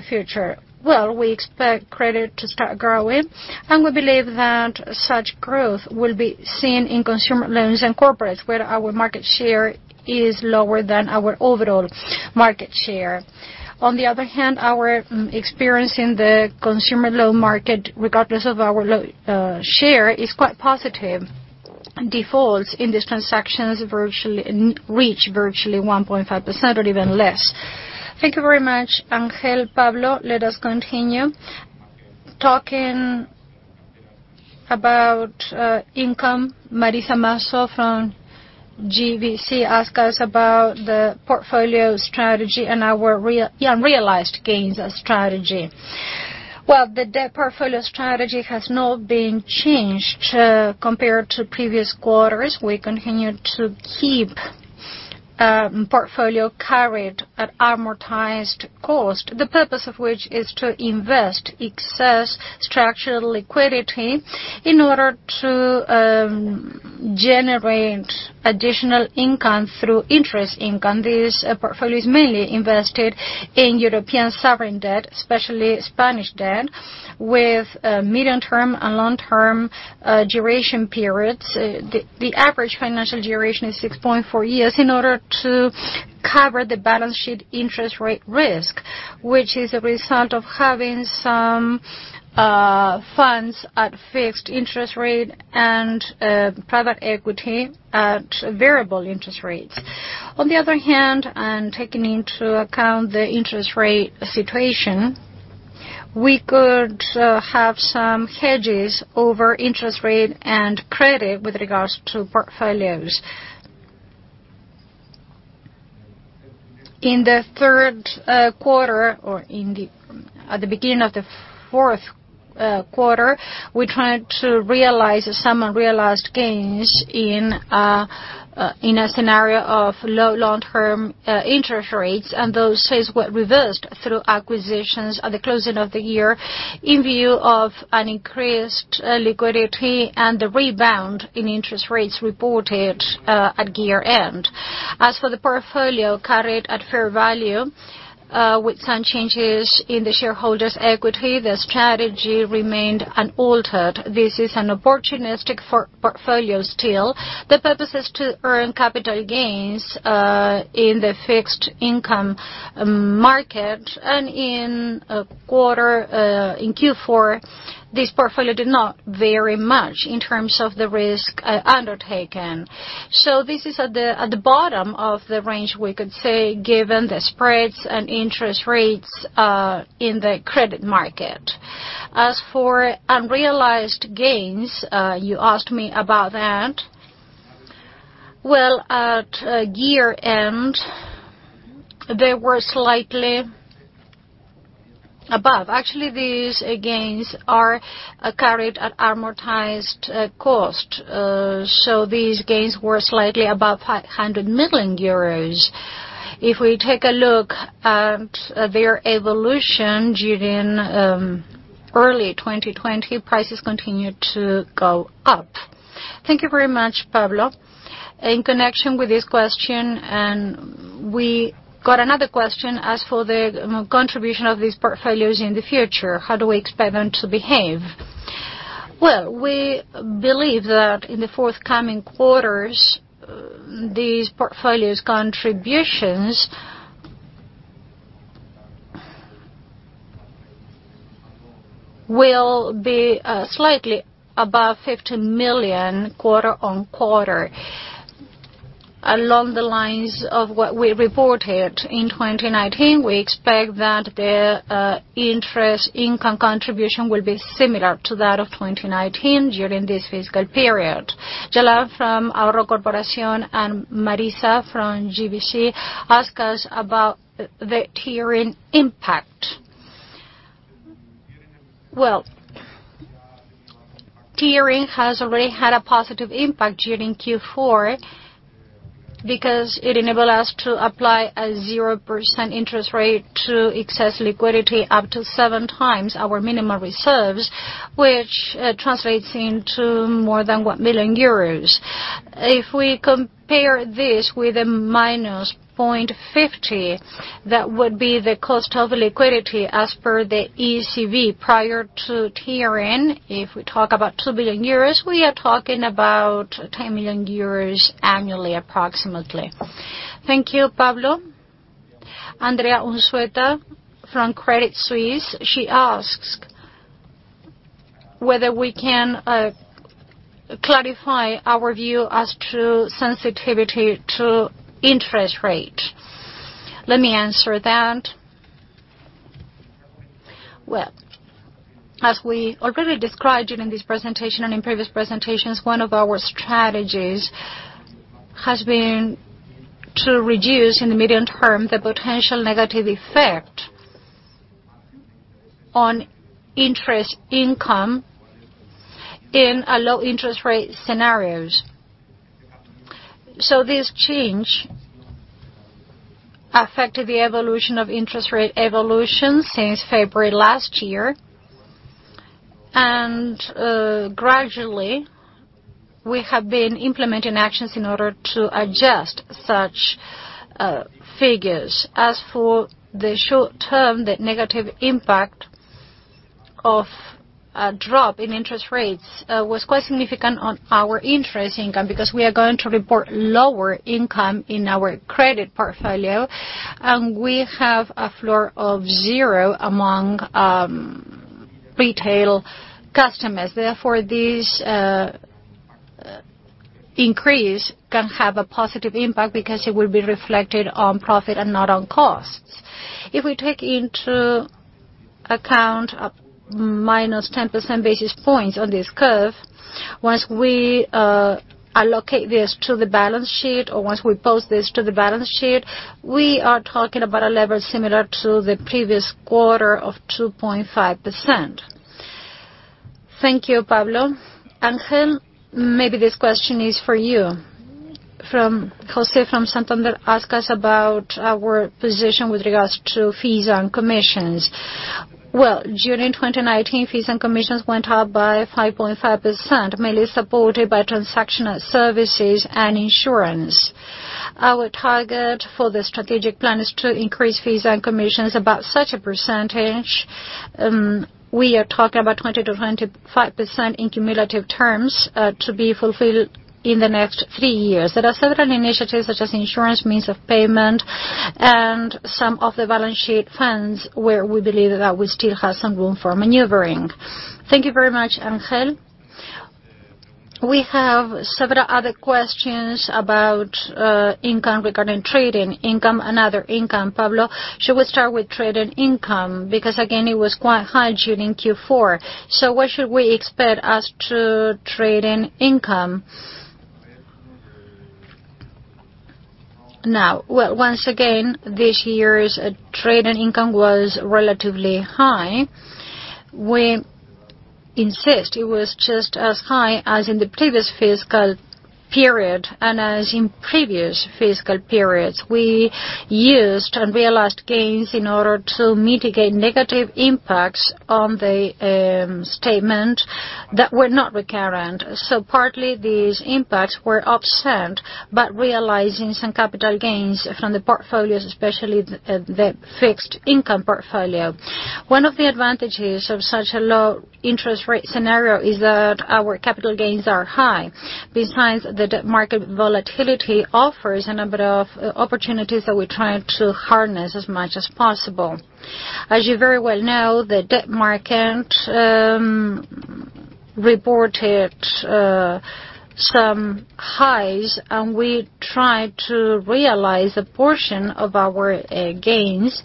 Speaker 4: future.
Speaker 3: Well, we expect credit to start growing, and we believe that such growth will be seen in consumer loans and corporates, where our market share is lower than our overall market share. On the other hand, our experience in the consumer loan market, regardless of our share, is quite positive.
Speaker 2: Defaults in these transactions reach virtually 1.5% or even less.
Speaker 4: Thank you very much, Ángel. Pablo, let us continue. Talking about income, Marisa Mazo from GVC asked us about the portfolio strategy and our unrealized gains strategy.
Speaker 3: Well, the debt portfolio strategy has not been changed compared to previous quarters. We continue to keep portfolio carried at amortized cost, the purpose of which is to invest excess structural liquidity in order to generate additional income through interest income. This portfolio is mainly invested in European sovereign debt, especially Spanish debt, with medium-term and long-term duration periods. The average financial duration is 6.4 years, in order to cover the balance sheet interest rate risk, which is a result of having some funds at fixed interest rate and private equity at variable interest rates. On the other hand, taking into account the interest rate situation, we could have some hedges over interest rate and credit with regards to portfolios. In the third quarter or at the beginning of the fourth quarter, we tried to realize some unrealized gains in a scenario of low long-term interest rates, those since were reversed through acquisitions at the closing of the year in view of an increased liquidity and the rebound in interest rates reported at year-end. As for the portfolio carried at fair value, with some changes in the shareholders' equity, the strategy remained unaltered. This is an opportunistic portfolio still. The purpose is to earn capital gains in the fixed income market. In Q4, this portfolio did not vary much in terms of the risk undertaken.
Speaker 1: This is at the bottom of the range, we could say, given the spreads and interest rates in the credit market. As for unrealized gains, you asked me about that. Well, at year-end, they were slightly above. Actually, these gains are carried at amortized cost. These gains were slightly above 500 million euros. If we take a look at their evolution during early 2020, prices continued to go up. Thank you very much, Pablo. In connection with this question, we got another question. As for the contribution of these portfolios in the future, how do we expect them to behave? Well, we believe that in the forthcoming quarters, these portfolios' contributions will be slightly above EUR 50 million quarter-on-quarter. Along the lines of what we reported in 2019, we expect that their interest income contribution will be similar to that of 2019 during this fiscal period.
Speaker 4: Jala from Ahorro Corporación and Marisa from GVC Gaesco ask us about the tiering impact.
Speaker 3: Well, tiering has already had a positive impact during Q4 because it enabled us to apply a 0% interest rate to excess liquidity up to seven times our minimum reserves, which translates into more than 1 million euros. If we compare this with a -0.50, that would be the cost of liquidity as per the ECB prior to tiering. If we talk about 2 billion euros, we are talking about 10 million euros annually, approximately.
Speaker 4: Thank you, Pablo. Andrea Unzueta from Credit Suisse, she asks whether we can clarify our view as to sensitivity to interest rate.
Speaker 3: Let me answer that. Well, as we already described during this presentation and in previous presentations, one of our strategies has been to reduce, in the medium term, the potential negative effect on interest income in low interest rate scenarios. This change affected the evolution of interest rate evolution since February last year, and gradually, we have been implementing actions in order to adjust such figures. As for the short term, the negative impact of a drop in interest rates was quite significant on our interest income, because we are going to report lower income in our credit portfolio. We have a floor of zero among retail customers. Therefore, this increase can have a positive impact because it will be reflected on profit and not on costs. If we take into account a -10 basis points on this curve, once we allocate this to the balance sheet, or once we post this to the balance sheet, we are talking about a level similar to the previous quarter of 2.5%.
Speaker 4: Thank you, Pablo. Ángel, maybe this question is for you. José from Santander asked us about our position with regards to fees and commissions.
Speaker 2: Well, during 2019, fees and commissions went up by 5.5%, mainly supported by transactional services and insurance. Our target for the strategic plan is to increase fees and commissions about 30%. We are talking about 20%-25% in cumulative terms, to be fulfilled in the next three years. There are several initiatives such as insurance, means of payment, and some of the balance sheet funds where we believe that we still have some room for maneuvering.
Speaker 4: Thank you very much, Ángel. We have several other questions about income regarding trading income and other income. Pablo, should we start with trading income? Again, it was quite high during Q4. What should we expect as to trading income?
Speaker 3: Once again, this year's trading income was relatively high. We insist it was just as high as in the previous fiscal period and as in previous fiscal periods. We used unrealized gains in order to mitigate negative impacts on the statement that were not recurrent. Partly, these impacts were offset, but realizing some capital gains from the portfolios, especially the fixed income portfolio. One of the advantages of such a low interest rate scenario is that our capital gains are high. Besides, the market volatility offers a number of opportunities that we're trying to harness as much as possible. As you very well know, the debt market reported some highs, and we tried to realize a portion of our gains,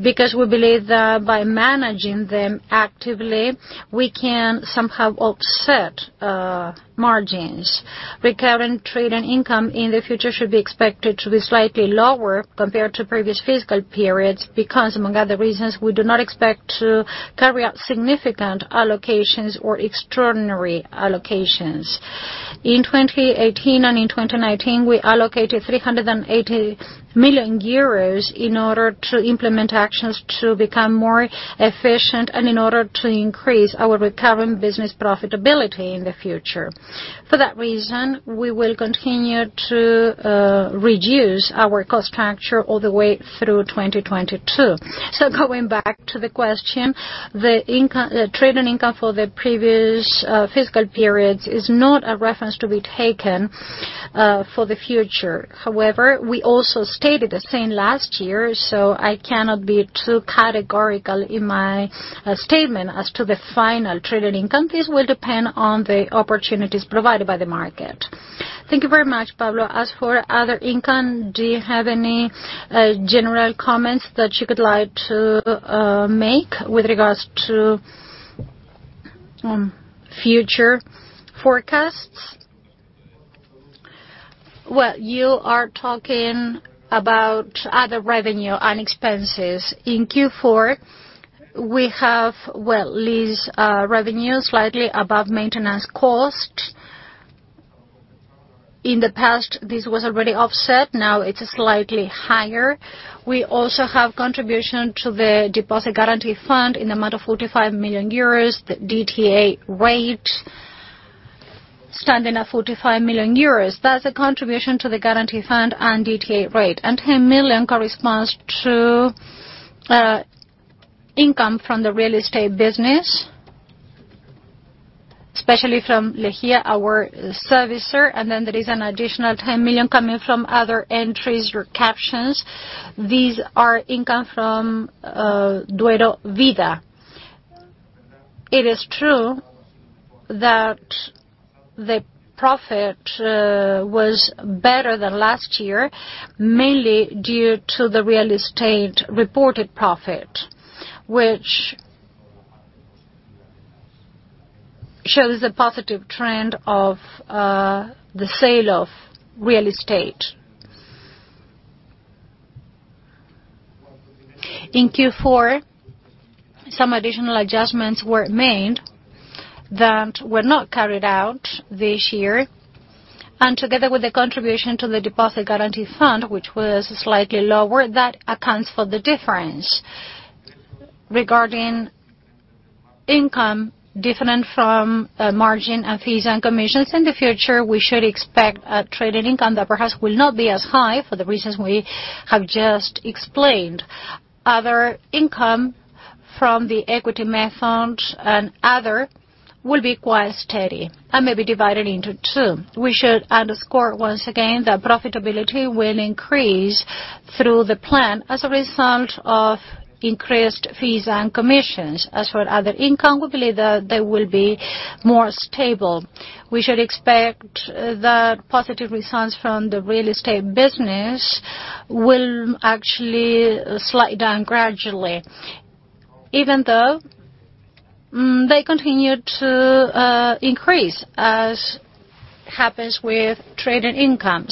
Speaker 3: because we believe that by managing them actively, we can somehow upset margins. Recurrent trading income in the future should be expected to be slightly lower compared to previous fiscal periods, because, among other reasons, we do not expect to carry out significant allocations or extraordinary allocations. In 2018 and in 2019, we allocated 380 million euros in order to implement actions to become more efficient and in order to increase our recurring business profitability in the future. For that reason, we will continue to reduce our cost structure all the way through 2022. Going back to the question, the trading income for the previous fiscal periods is not a reference to be taken for the future.
Speaker 1: However, we also stated the same last year, so I cannot be too categorical in my statement as to the final trading income. This will depend on the opportunities provided by the market. Thank you very much, Pablo. As for other income, do you have any general comments that you would like to make with regards to future forecasts? Well, you are talking about other revenue and expenses. In Q4, we have lease revenue slightly above maintenance costs. In the past, this was already offset. Now it's slightly higher. We also have contribution to the Deposit Guarantee Fund in the amount of 45 million euros. The DTA rate standing at 45 million euros. That's a contribution to the guarantee fund and DTA rate. 10 million corresponds to income from the real estate business, especially from GIA, our servicer.
Speaker 3: There is an additional 10 million coming from other entries or captions. These are income from Duero Vida. It is true that the profit was better than last year, mainly due to the real estate reported profit, which shows a positive trend of the sale of real estate. In Q4, some additional adjustments were made that were not carried out this year. Together with the contribution to the Deposit Guarantee Fund, which was slightly lower, that accounts for the difference. Regarding income different from margin and fees and commissions, in the future, we should expect a trading income that perhaps will not be as high for the reasons we have just explained. Other income from the equity method and other will be quite steady and may be divided into two. We should underscore once again that profitability will increase through the plan as a result of increased fees and commissions. As for other income, we believe that they will be more stable. We should expect that positive results from the real estate business will actually slide down gradually, even though they continue to increase as happens with traded income.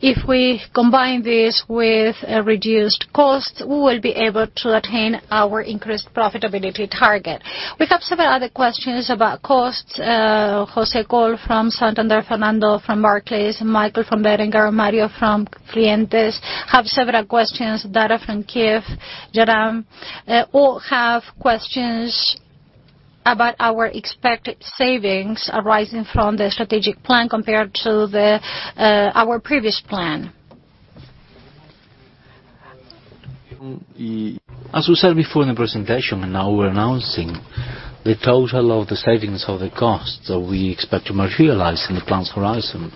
Speaker 3: If we combine this with reduced costs, we will be able to attain our increased profitability target.
Speaker 4: We have several other questions about costs. José Coll from Santander, Fernando from Barclays, Michael from Berenberg, Mario from Clientes, have several questions. Daragh from KBW, Jerome, all have questions about our expected savings arising from the strategic plan compared to our previous plan.
Speaker 2: As we said before in the presentation, and now we're announcing, the total of the savings or the costs that we expect to materialize in the plan's horizon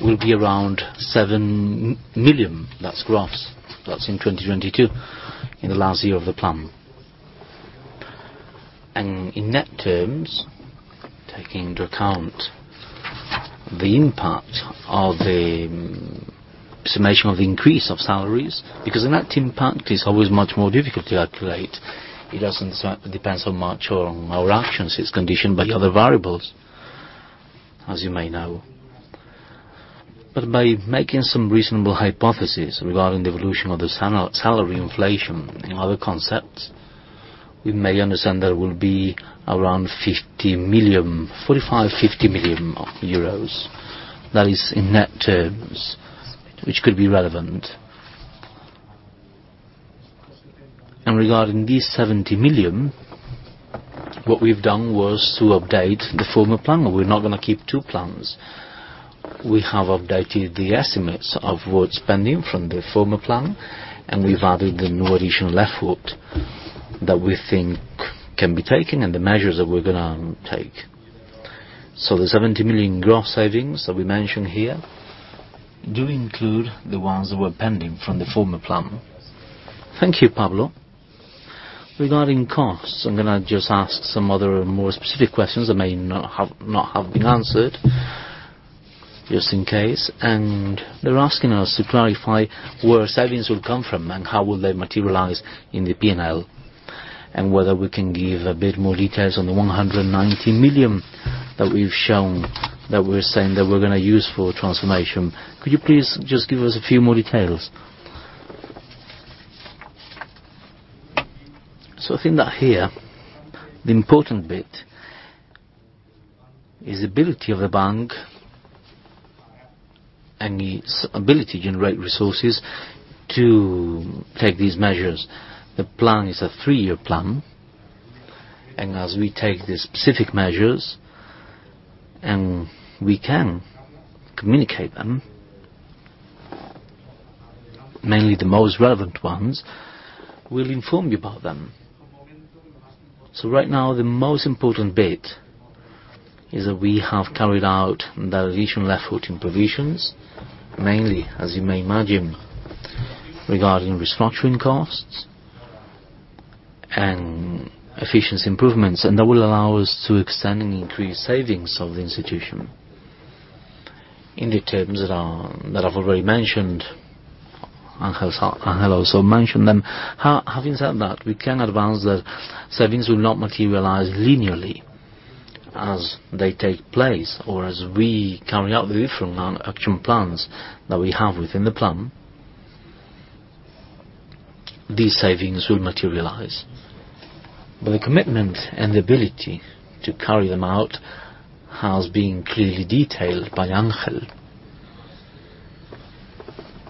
Speaker 2: will be around 7 million. That's gross. That's in 2022, in the last year of the plan. In net terms, taking into account the impact of the summation of the increase of salaries, because a net impact is always much more difficult to calculate. It doesn't depend so much on our actions. It's conditioned by other variables, as you may know. By making some reasonable hypotheses regarding the evolution of the salary inflation and other concepts, we may understand there will be around 50 million, 45 million, 50 million of euros. That is in net terms, which could be relevant. Regarding these 70 million, what we've done was to update the former plan. We're not going to keep two plans.
Speaker 1: We have updated the estimates of what's pending from the former plan, and we've added the new additional effort that we think can be taken and the measures that we're going to take. The 70 million gross savings that we mentioned here do include the ones that were pending from the former plan. Thank you, Pablo. Regarding costs, I'm going to just ask some other more specific questions that may not have been answered, just in case. They're asking us to clarify where savings will come from and how will they materialize in the P&L, and whether we can give a bit more details on the 190 million that we've shown that we're saying that we're going to use for transformation. Could you please just give us a few more details?
Speaker 3: I think that here, the important bit is ability of the bank and its ability to generate resources to take these measures. The plan is a three-year plan, as we take the specific measures, and we can communicate them, mainly the most relevant ones, we'll inform you about them. Right now, the most important bit is that we have carried out the additional effort in provisions, mainly, as you may imagine, regarding restructuring costs and efficiency improvements. That will allow us to extend and increase savings of the institution in the terms that I've already mentioned, Ángel has also mentioned them. Having said that, we can advance that savings will not materialize linearly as they take place or as we carry out the different action plans that we have within the plan, these savings will materialize. The commitment and the ability to carry them out has been clearly detailed by Ángel.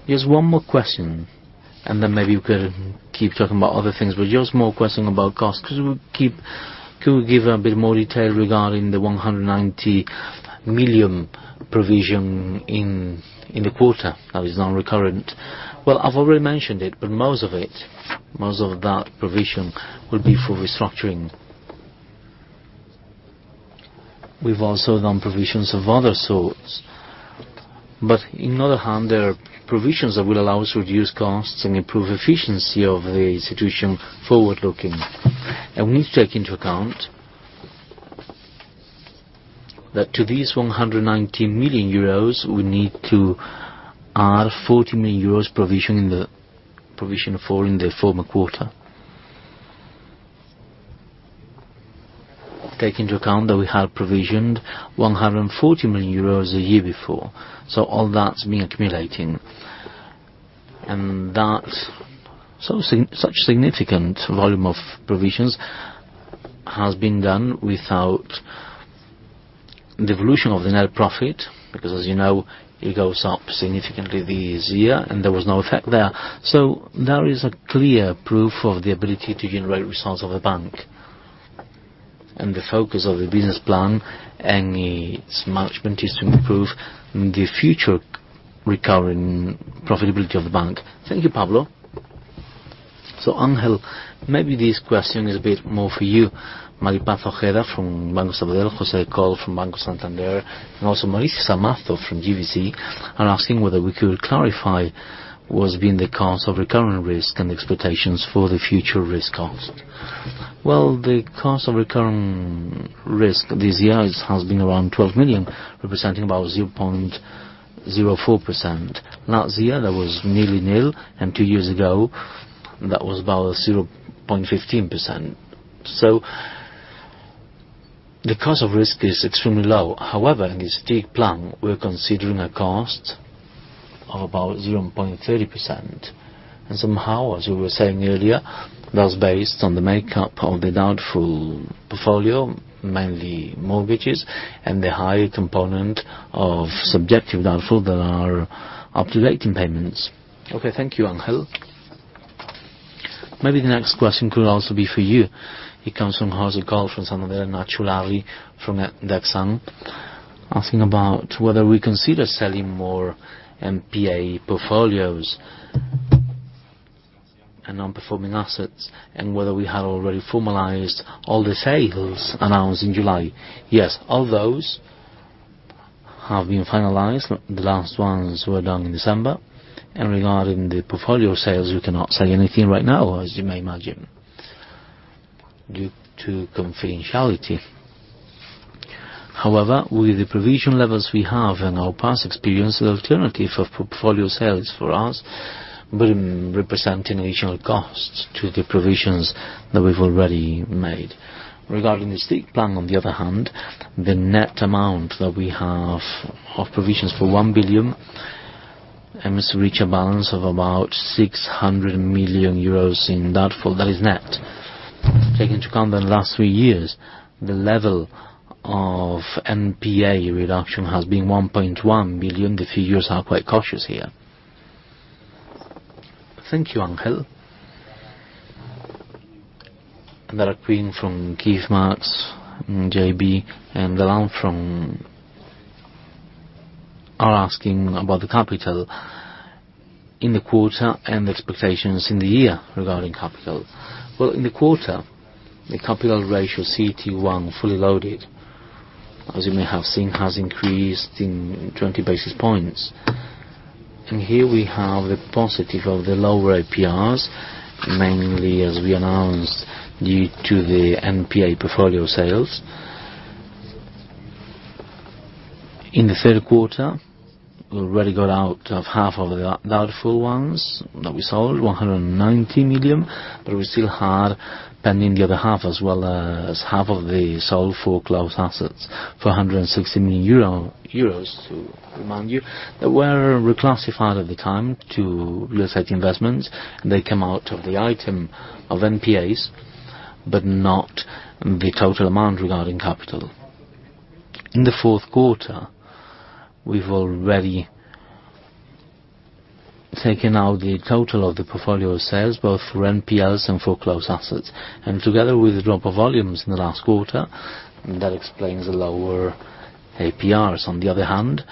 Speaker 1: Just one more question, maybe we can keep talking about other things, just more question about cost. Could you give a bit more detail regarding the 190 million provision in the quarter that is non-recurrent?
Speaker 3: Well, I've already mentioned it, most of that provision will be for restructuring. We've also done provisions of other sorts. On the other hand, there are provisions that will allow us to reduce costs and improve efficiency of the institution forward-looking. We need to take into account that to these 190 million euros, we need to add 40 million euros provision fall in the former quarter. Take into account that we had provisioned 140 million euros the year before. All that's been accumulating. Such significant volume of provisions has been done without devolution of the net profit, because, as you know, it goes up significantly this year, and there was no effect there. There is a clear proof of the ability to generate results of a bank, and the focus of the business plan and its management is to improve the future recurring profitability of the bank.
Speaker 1: Thank you, Pablo. Ángel, maybe this question is a bit more for you. María Paz Ojeda from Banco Sabadell, JosE Coll from Banco Santander, and also Marisa Masso from GVC are asking whether we could clarify what's been the cause of recurring risk and expectations for the future risk cost.
Speaker 2: Well, the cost of recurring risk this year has been around 12 million, representing about 0.04%. Last year, that was nearly nil, and two years ago, that was about 0.15%. The cost of risk is extremely low. However, in the strategic plan, we're considering a cost of about 0.30%. Somehow, as we were saying earlier, that's based on the makeup of the doubtful portfolio, mainly mortgages, and the high component of subjective doubtful that are up to date in payments. Okay. Thank you, Ángel. Maybe the next question could also be for you. It comes from JosE Coll from Santander, and Alvaro Serrano from Dexon, asking about whether we consider selling more NPA portfolios and non-performing assets, and whether we had already formalized all the sales announced in July. Yes, all those have been finalized. The last ones were done in December. Regarding the portfolio sales, we cannot say anything right now, as you may imagine, due to confidentiality.
Speaker 1: However, with the provision levels we have and our past experience, the alternative of portfolio sales for us will represent an additional cost to the provisions that we've already made. Regarding the state plan, on the other hand, the net amount that we have of provisions for 1 billion and must reach a balance of about 600 million euros in doubtful, that is net. Take into account that in the last three years, the level of NPA reduction has been 1.1 billion. The figures are quite cautious here. Thank you, Ángel. Another query from Keith Matts, JB, and Alan, are asking about the capital in the quarter and the expectations in the year regarding capital. Well, in the quarter, the capital ratio CET1 fully loaded, as you may have seen, has increased in 20 basis points.
Speaker 3: Here we have the positive of the lower APRs, mainly, as we announced, due to the NPA portfolio sales. In the third quarter, we already got out of half of the doubtful ones that we sold, 190 million, but we still had pending the other half, as well as half of the sold foreclosed assets, 460 million euro to remind you. They were reclassified at the time to real estate investments. They come out of the item of NPAs, but not the total amount regarding capital. In the fourth quarter, we've already taken out the total of the portfolio sales, both for NPAs and foreclosed assets. Together with the drop of volumes in the last quarter, that explains the lower APRs. On the other hand,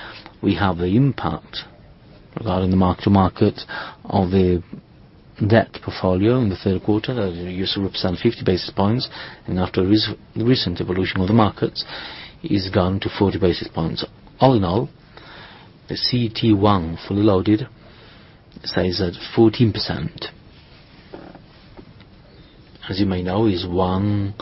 Speaker 3: we have the impact regarding the mark-to-market of the debt portfolio in the third quarter, that used to represent 50 basis points, and after recent evolution of the markets, it's gone to 40 basis points. All in all, the CET1 full loaded stays at 14%. As you may know, it's one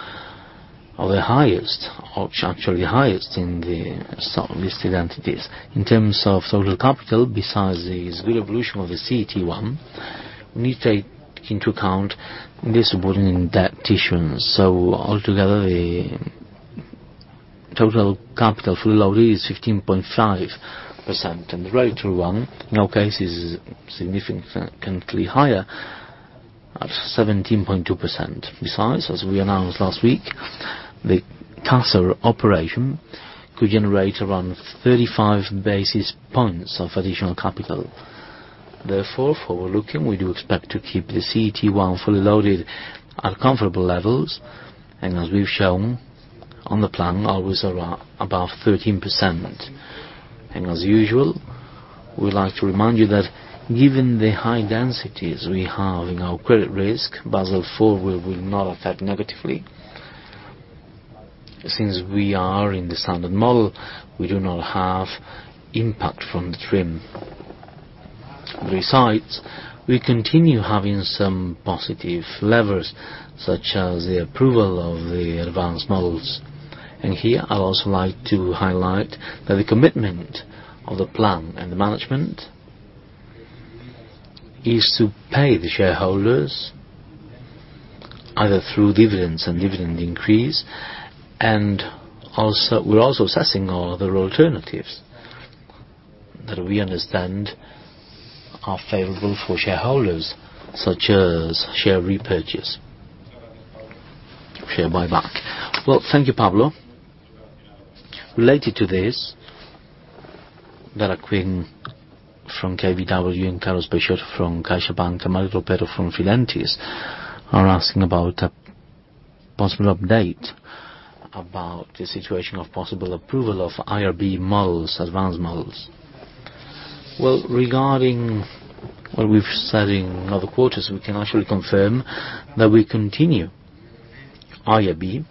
Speaker 3: of the highest, or actually highest in the listed entities. In terms of total capital, besides this good evolution of the CET1, we need to take into account this subordinate debt issue. Altogether, the total capital full load is 15.5%, and the regulatory one, in our case, is significantly higher at 17.2%. Besides, as we announced last week, the Caser operation could generate around 35 basis points of additional capital. Therefore, forward-looking, we do expect to keep the CET1 full loaded at comfortable levels, and as we've shown on the plan, always above 13%. As usual, we'd like to remind you that given the high densities we have in our credit risk, Basel IV will not affect negatively. Since we are in the standard model, we do not have impact from the TRIM. Besides, we continue having some positive levers, such as the approval of the advanced models. Here, I'd also like to highlight that the commitment of the plan and the management is to pay the shareholders either through dividends and dividend increase. We're also assessing other alternatives that we understand are favorable for shareholders, such as share repurchase, share buyback.
Speaker 1: Well, thank you, Pablo. Related to this, Daragh Quinn from KBW and Carlos Peixoto from CaixaBank and Mario Peiteado from Fidentiis are asking about a possible update about the situation of possible approval of IRB models, advanced models.
Speaker 3: Well, regarding what we've said in other quarters, we can actually confirm that we continue IRB.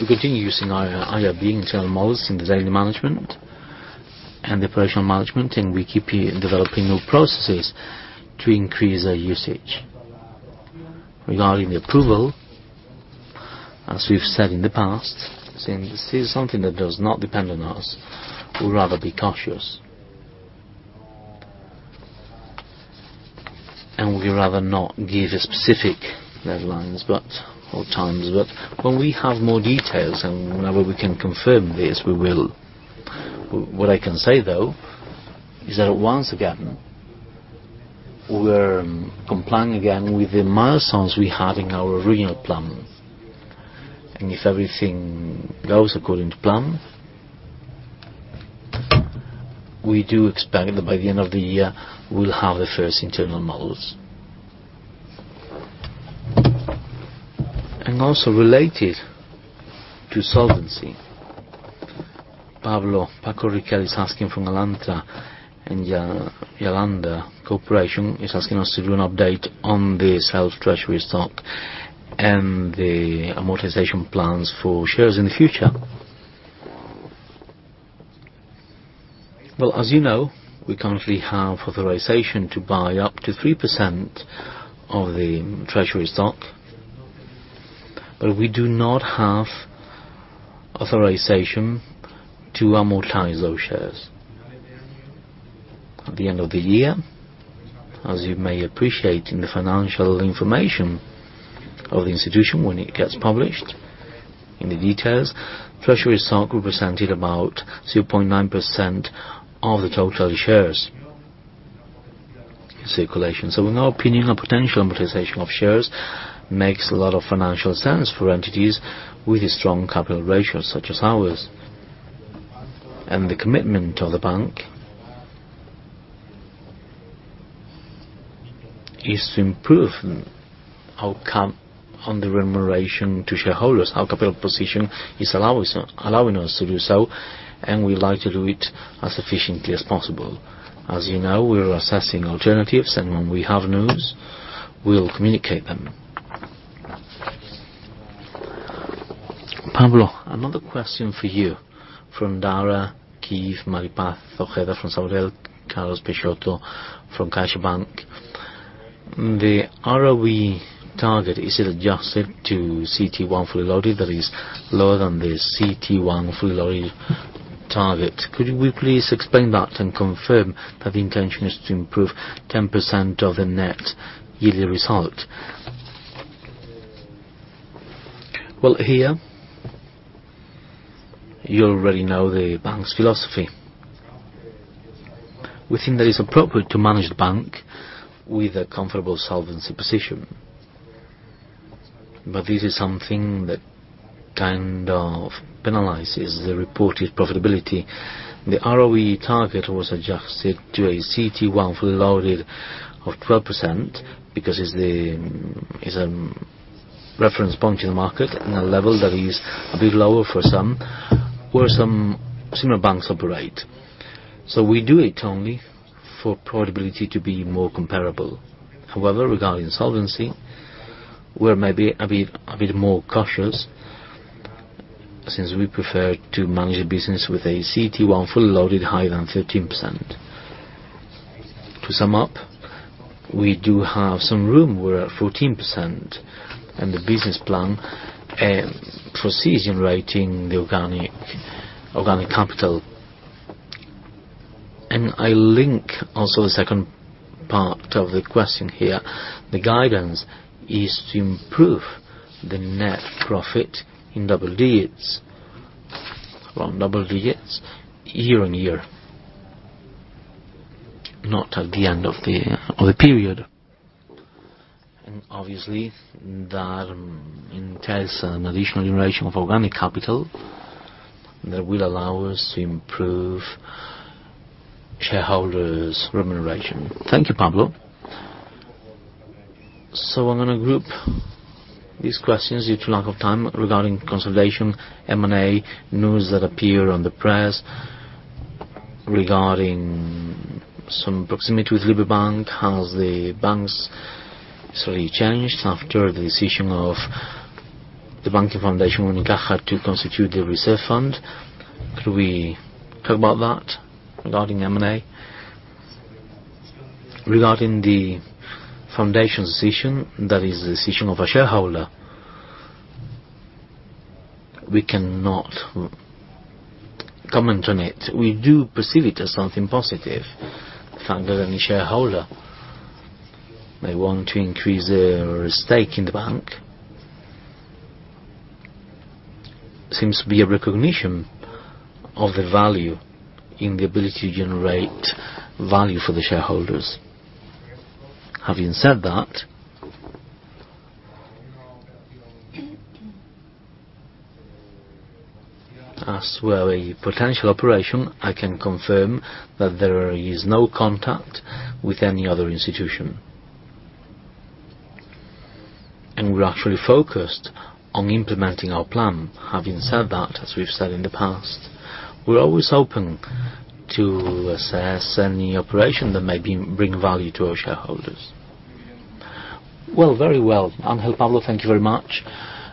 Speaker 3: We continue using IRB internal models in design management and operational management, and we keep developing new processes to increase our usage. Regarding the approval, as we've said in the past, this is something that does not depend on us. We'd rather be cautious. We'd rather not give specific deadlines or times. When we have more details and whenever we can confirm this, we will. What I can say, though, is that once again, we're complying again with the milestones we had in our original plan. If everything goes according to plan, we do expect that by the end of the year, we'll have the first internal models.
Speaker 1: Also related to solvency, Pablo, Paco Riquel is asking from Alantra, and Yolanda Corporation is asking us to do an update on the sales treasury stock and the amortization plans for shares in the future.
Speaker 3: Well, as you know, we currently have authorization to buy up to 3% of the treasury stock, but we do not have authorization to amortize those shares. At the end of the year, as you may appreciate in the financial information of the institution, when it gets published, in the details, treasury stock represented about 2.9% of the total shares circulation. In our opinion, a potential amortization of shares makes a lot of financial sense for entities with a strong capital ratio such as ours. The commitment of the bank is to improve outcome on the remuneration to shareholders.
Speaker 1: Our capital position is allowing us to do so, we like to do it as efficiently as possible. As you know, we are assessing alternatives, when we have news, we will communicate them. Pablo, another question for you from Daragh, Keith, María Paz, Ojeda from Banco Sabadell, Carlos Peixoto from CaixaBank. The ROE target, is it adjusted to CET1 fully loaded that is lower than the CET1 fully loaded target? Could we please explain that and confirm that the intention is to improve 10% of the net yearly result? Well, here, you already know the bank's philosophy. We think that it's appropriate to manage the bank with a comfortable solvency position. This is something that kind of penalizes the reported profitability. The ROE target was adjusted to a CET1 fully loaded of 12% because it's a reference point in the market and a level that is a bit lower for some, where some similar banks operate. We do it only for profitability to be more comparable. Regarding solvency, we're maybe a bit more cautious, since we prefer to manage a business with a CET1 fully loaded higher than 13%. To sum up, we do have some room. We're at 14%. The business plan proceeds in rating the organic capital. I link also the second part of the question here. The guidance is to improve the net profit in double digits, around double digits year-on-year, not at the end of the period. Obviously, that entails an additional generation of organic capital that will allow us to improve shareholders' remuneration. Thank you, Pablo. I'm going to group these questions due to lack of time regarding consolidation, M&A, news that appear on the press regarding some proximity with Liberbank. Has the banks slightly changed after the decision of the banking foundation, Unicaja, to constitute the reserve fund? Could we talk about that regarding M&A?
Speaker 3: Regarding the foundation's decision, that is the decision of a shareholder. We cannot comment on it. We do perceive it as something positive. The fact that any shareholder may want to increase their stake in the bank seems to be a recognition of the value in the ability to generate value for the shareholders. Having said that, as well, a potential operation, I can confirm that there is no contact with any other institution. We're actually focused on implementing our plan. Having said that, as we've said in the past, we're always open to assess any operation that may bring value to our shareholders. Well, very well.
Speaker 1: Angel Pablo, thank you very much.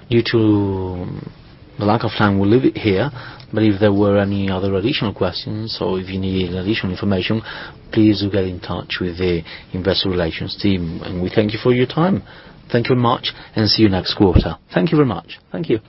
Speaker 1: Due to the lack of time, we'll leave it here, but if there were any other additional questions or if you need any additional information, please get in touch with the investor relations team, and we thank you for your time. Thank you very much, and see you next quarter. Thank you very much. Thank you.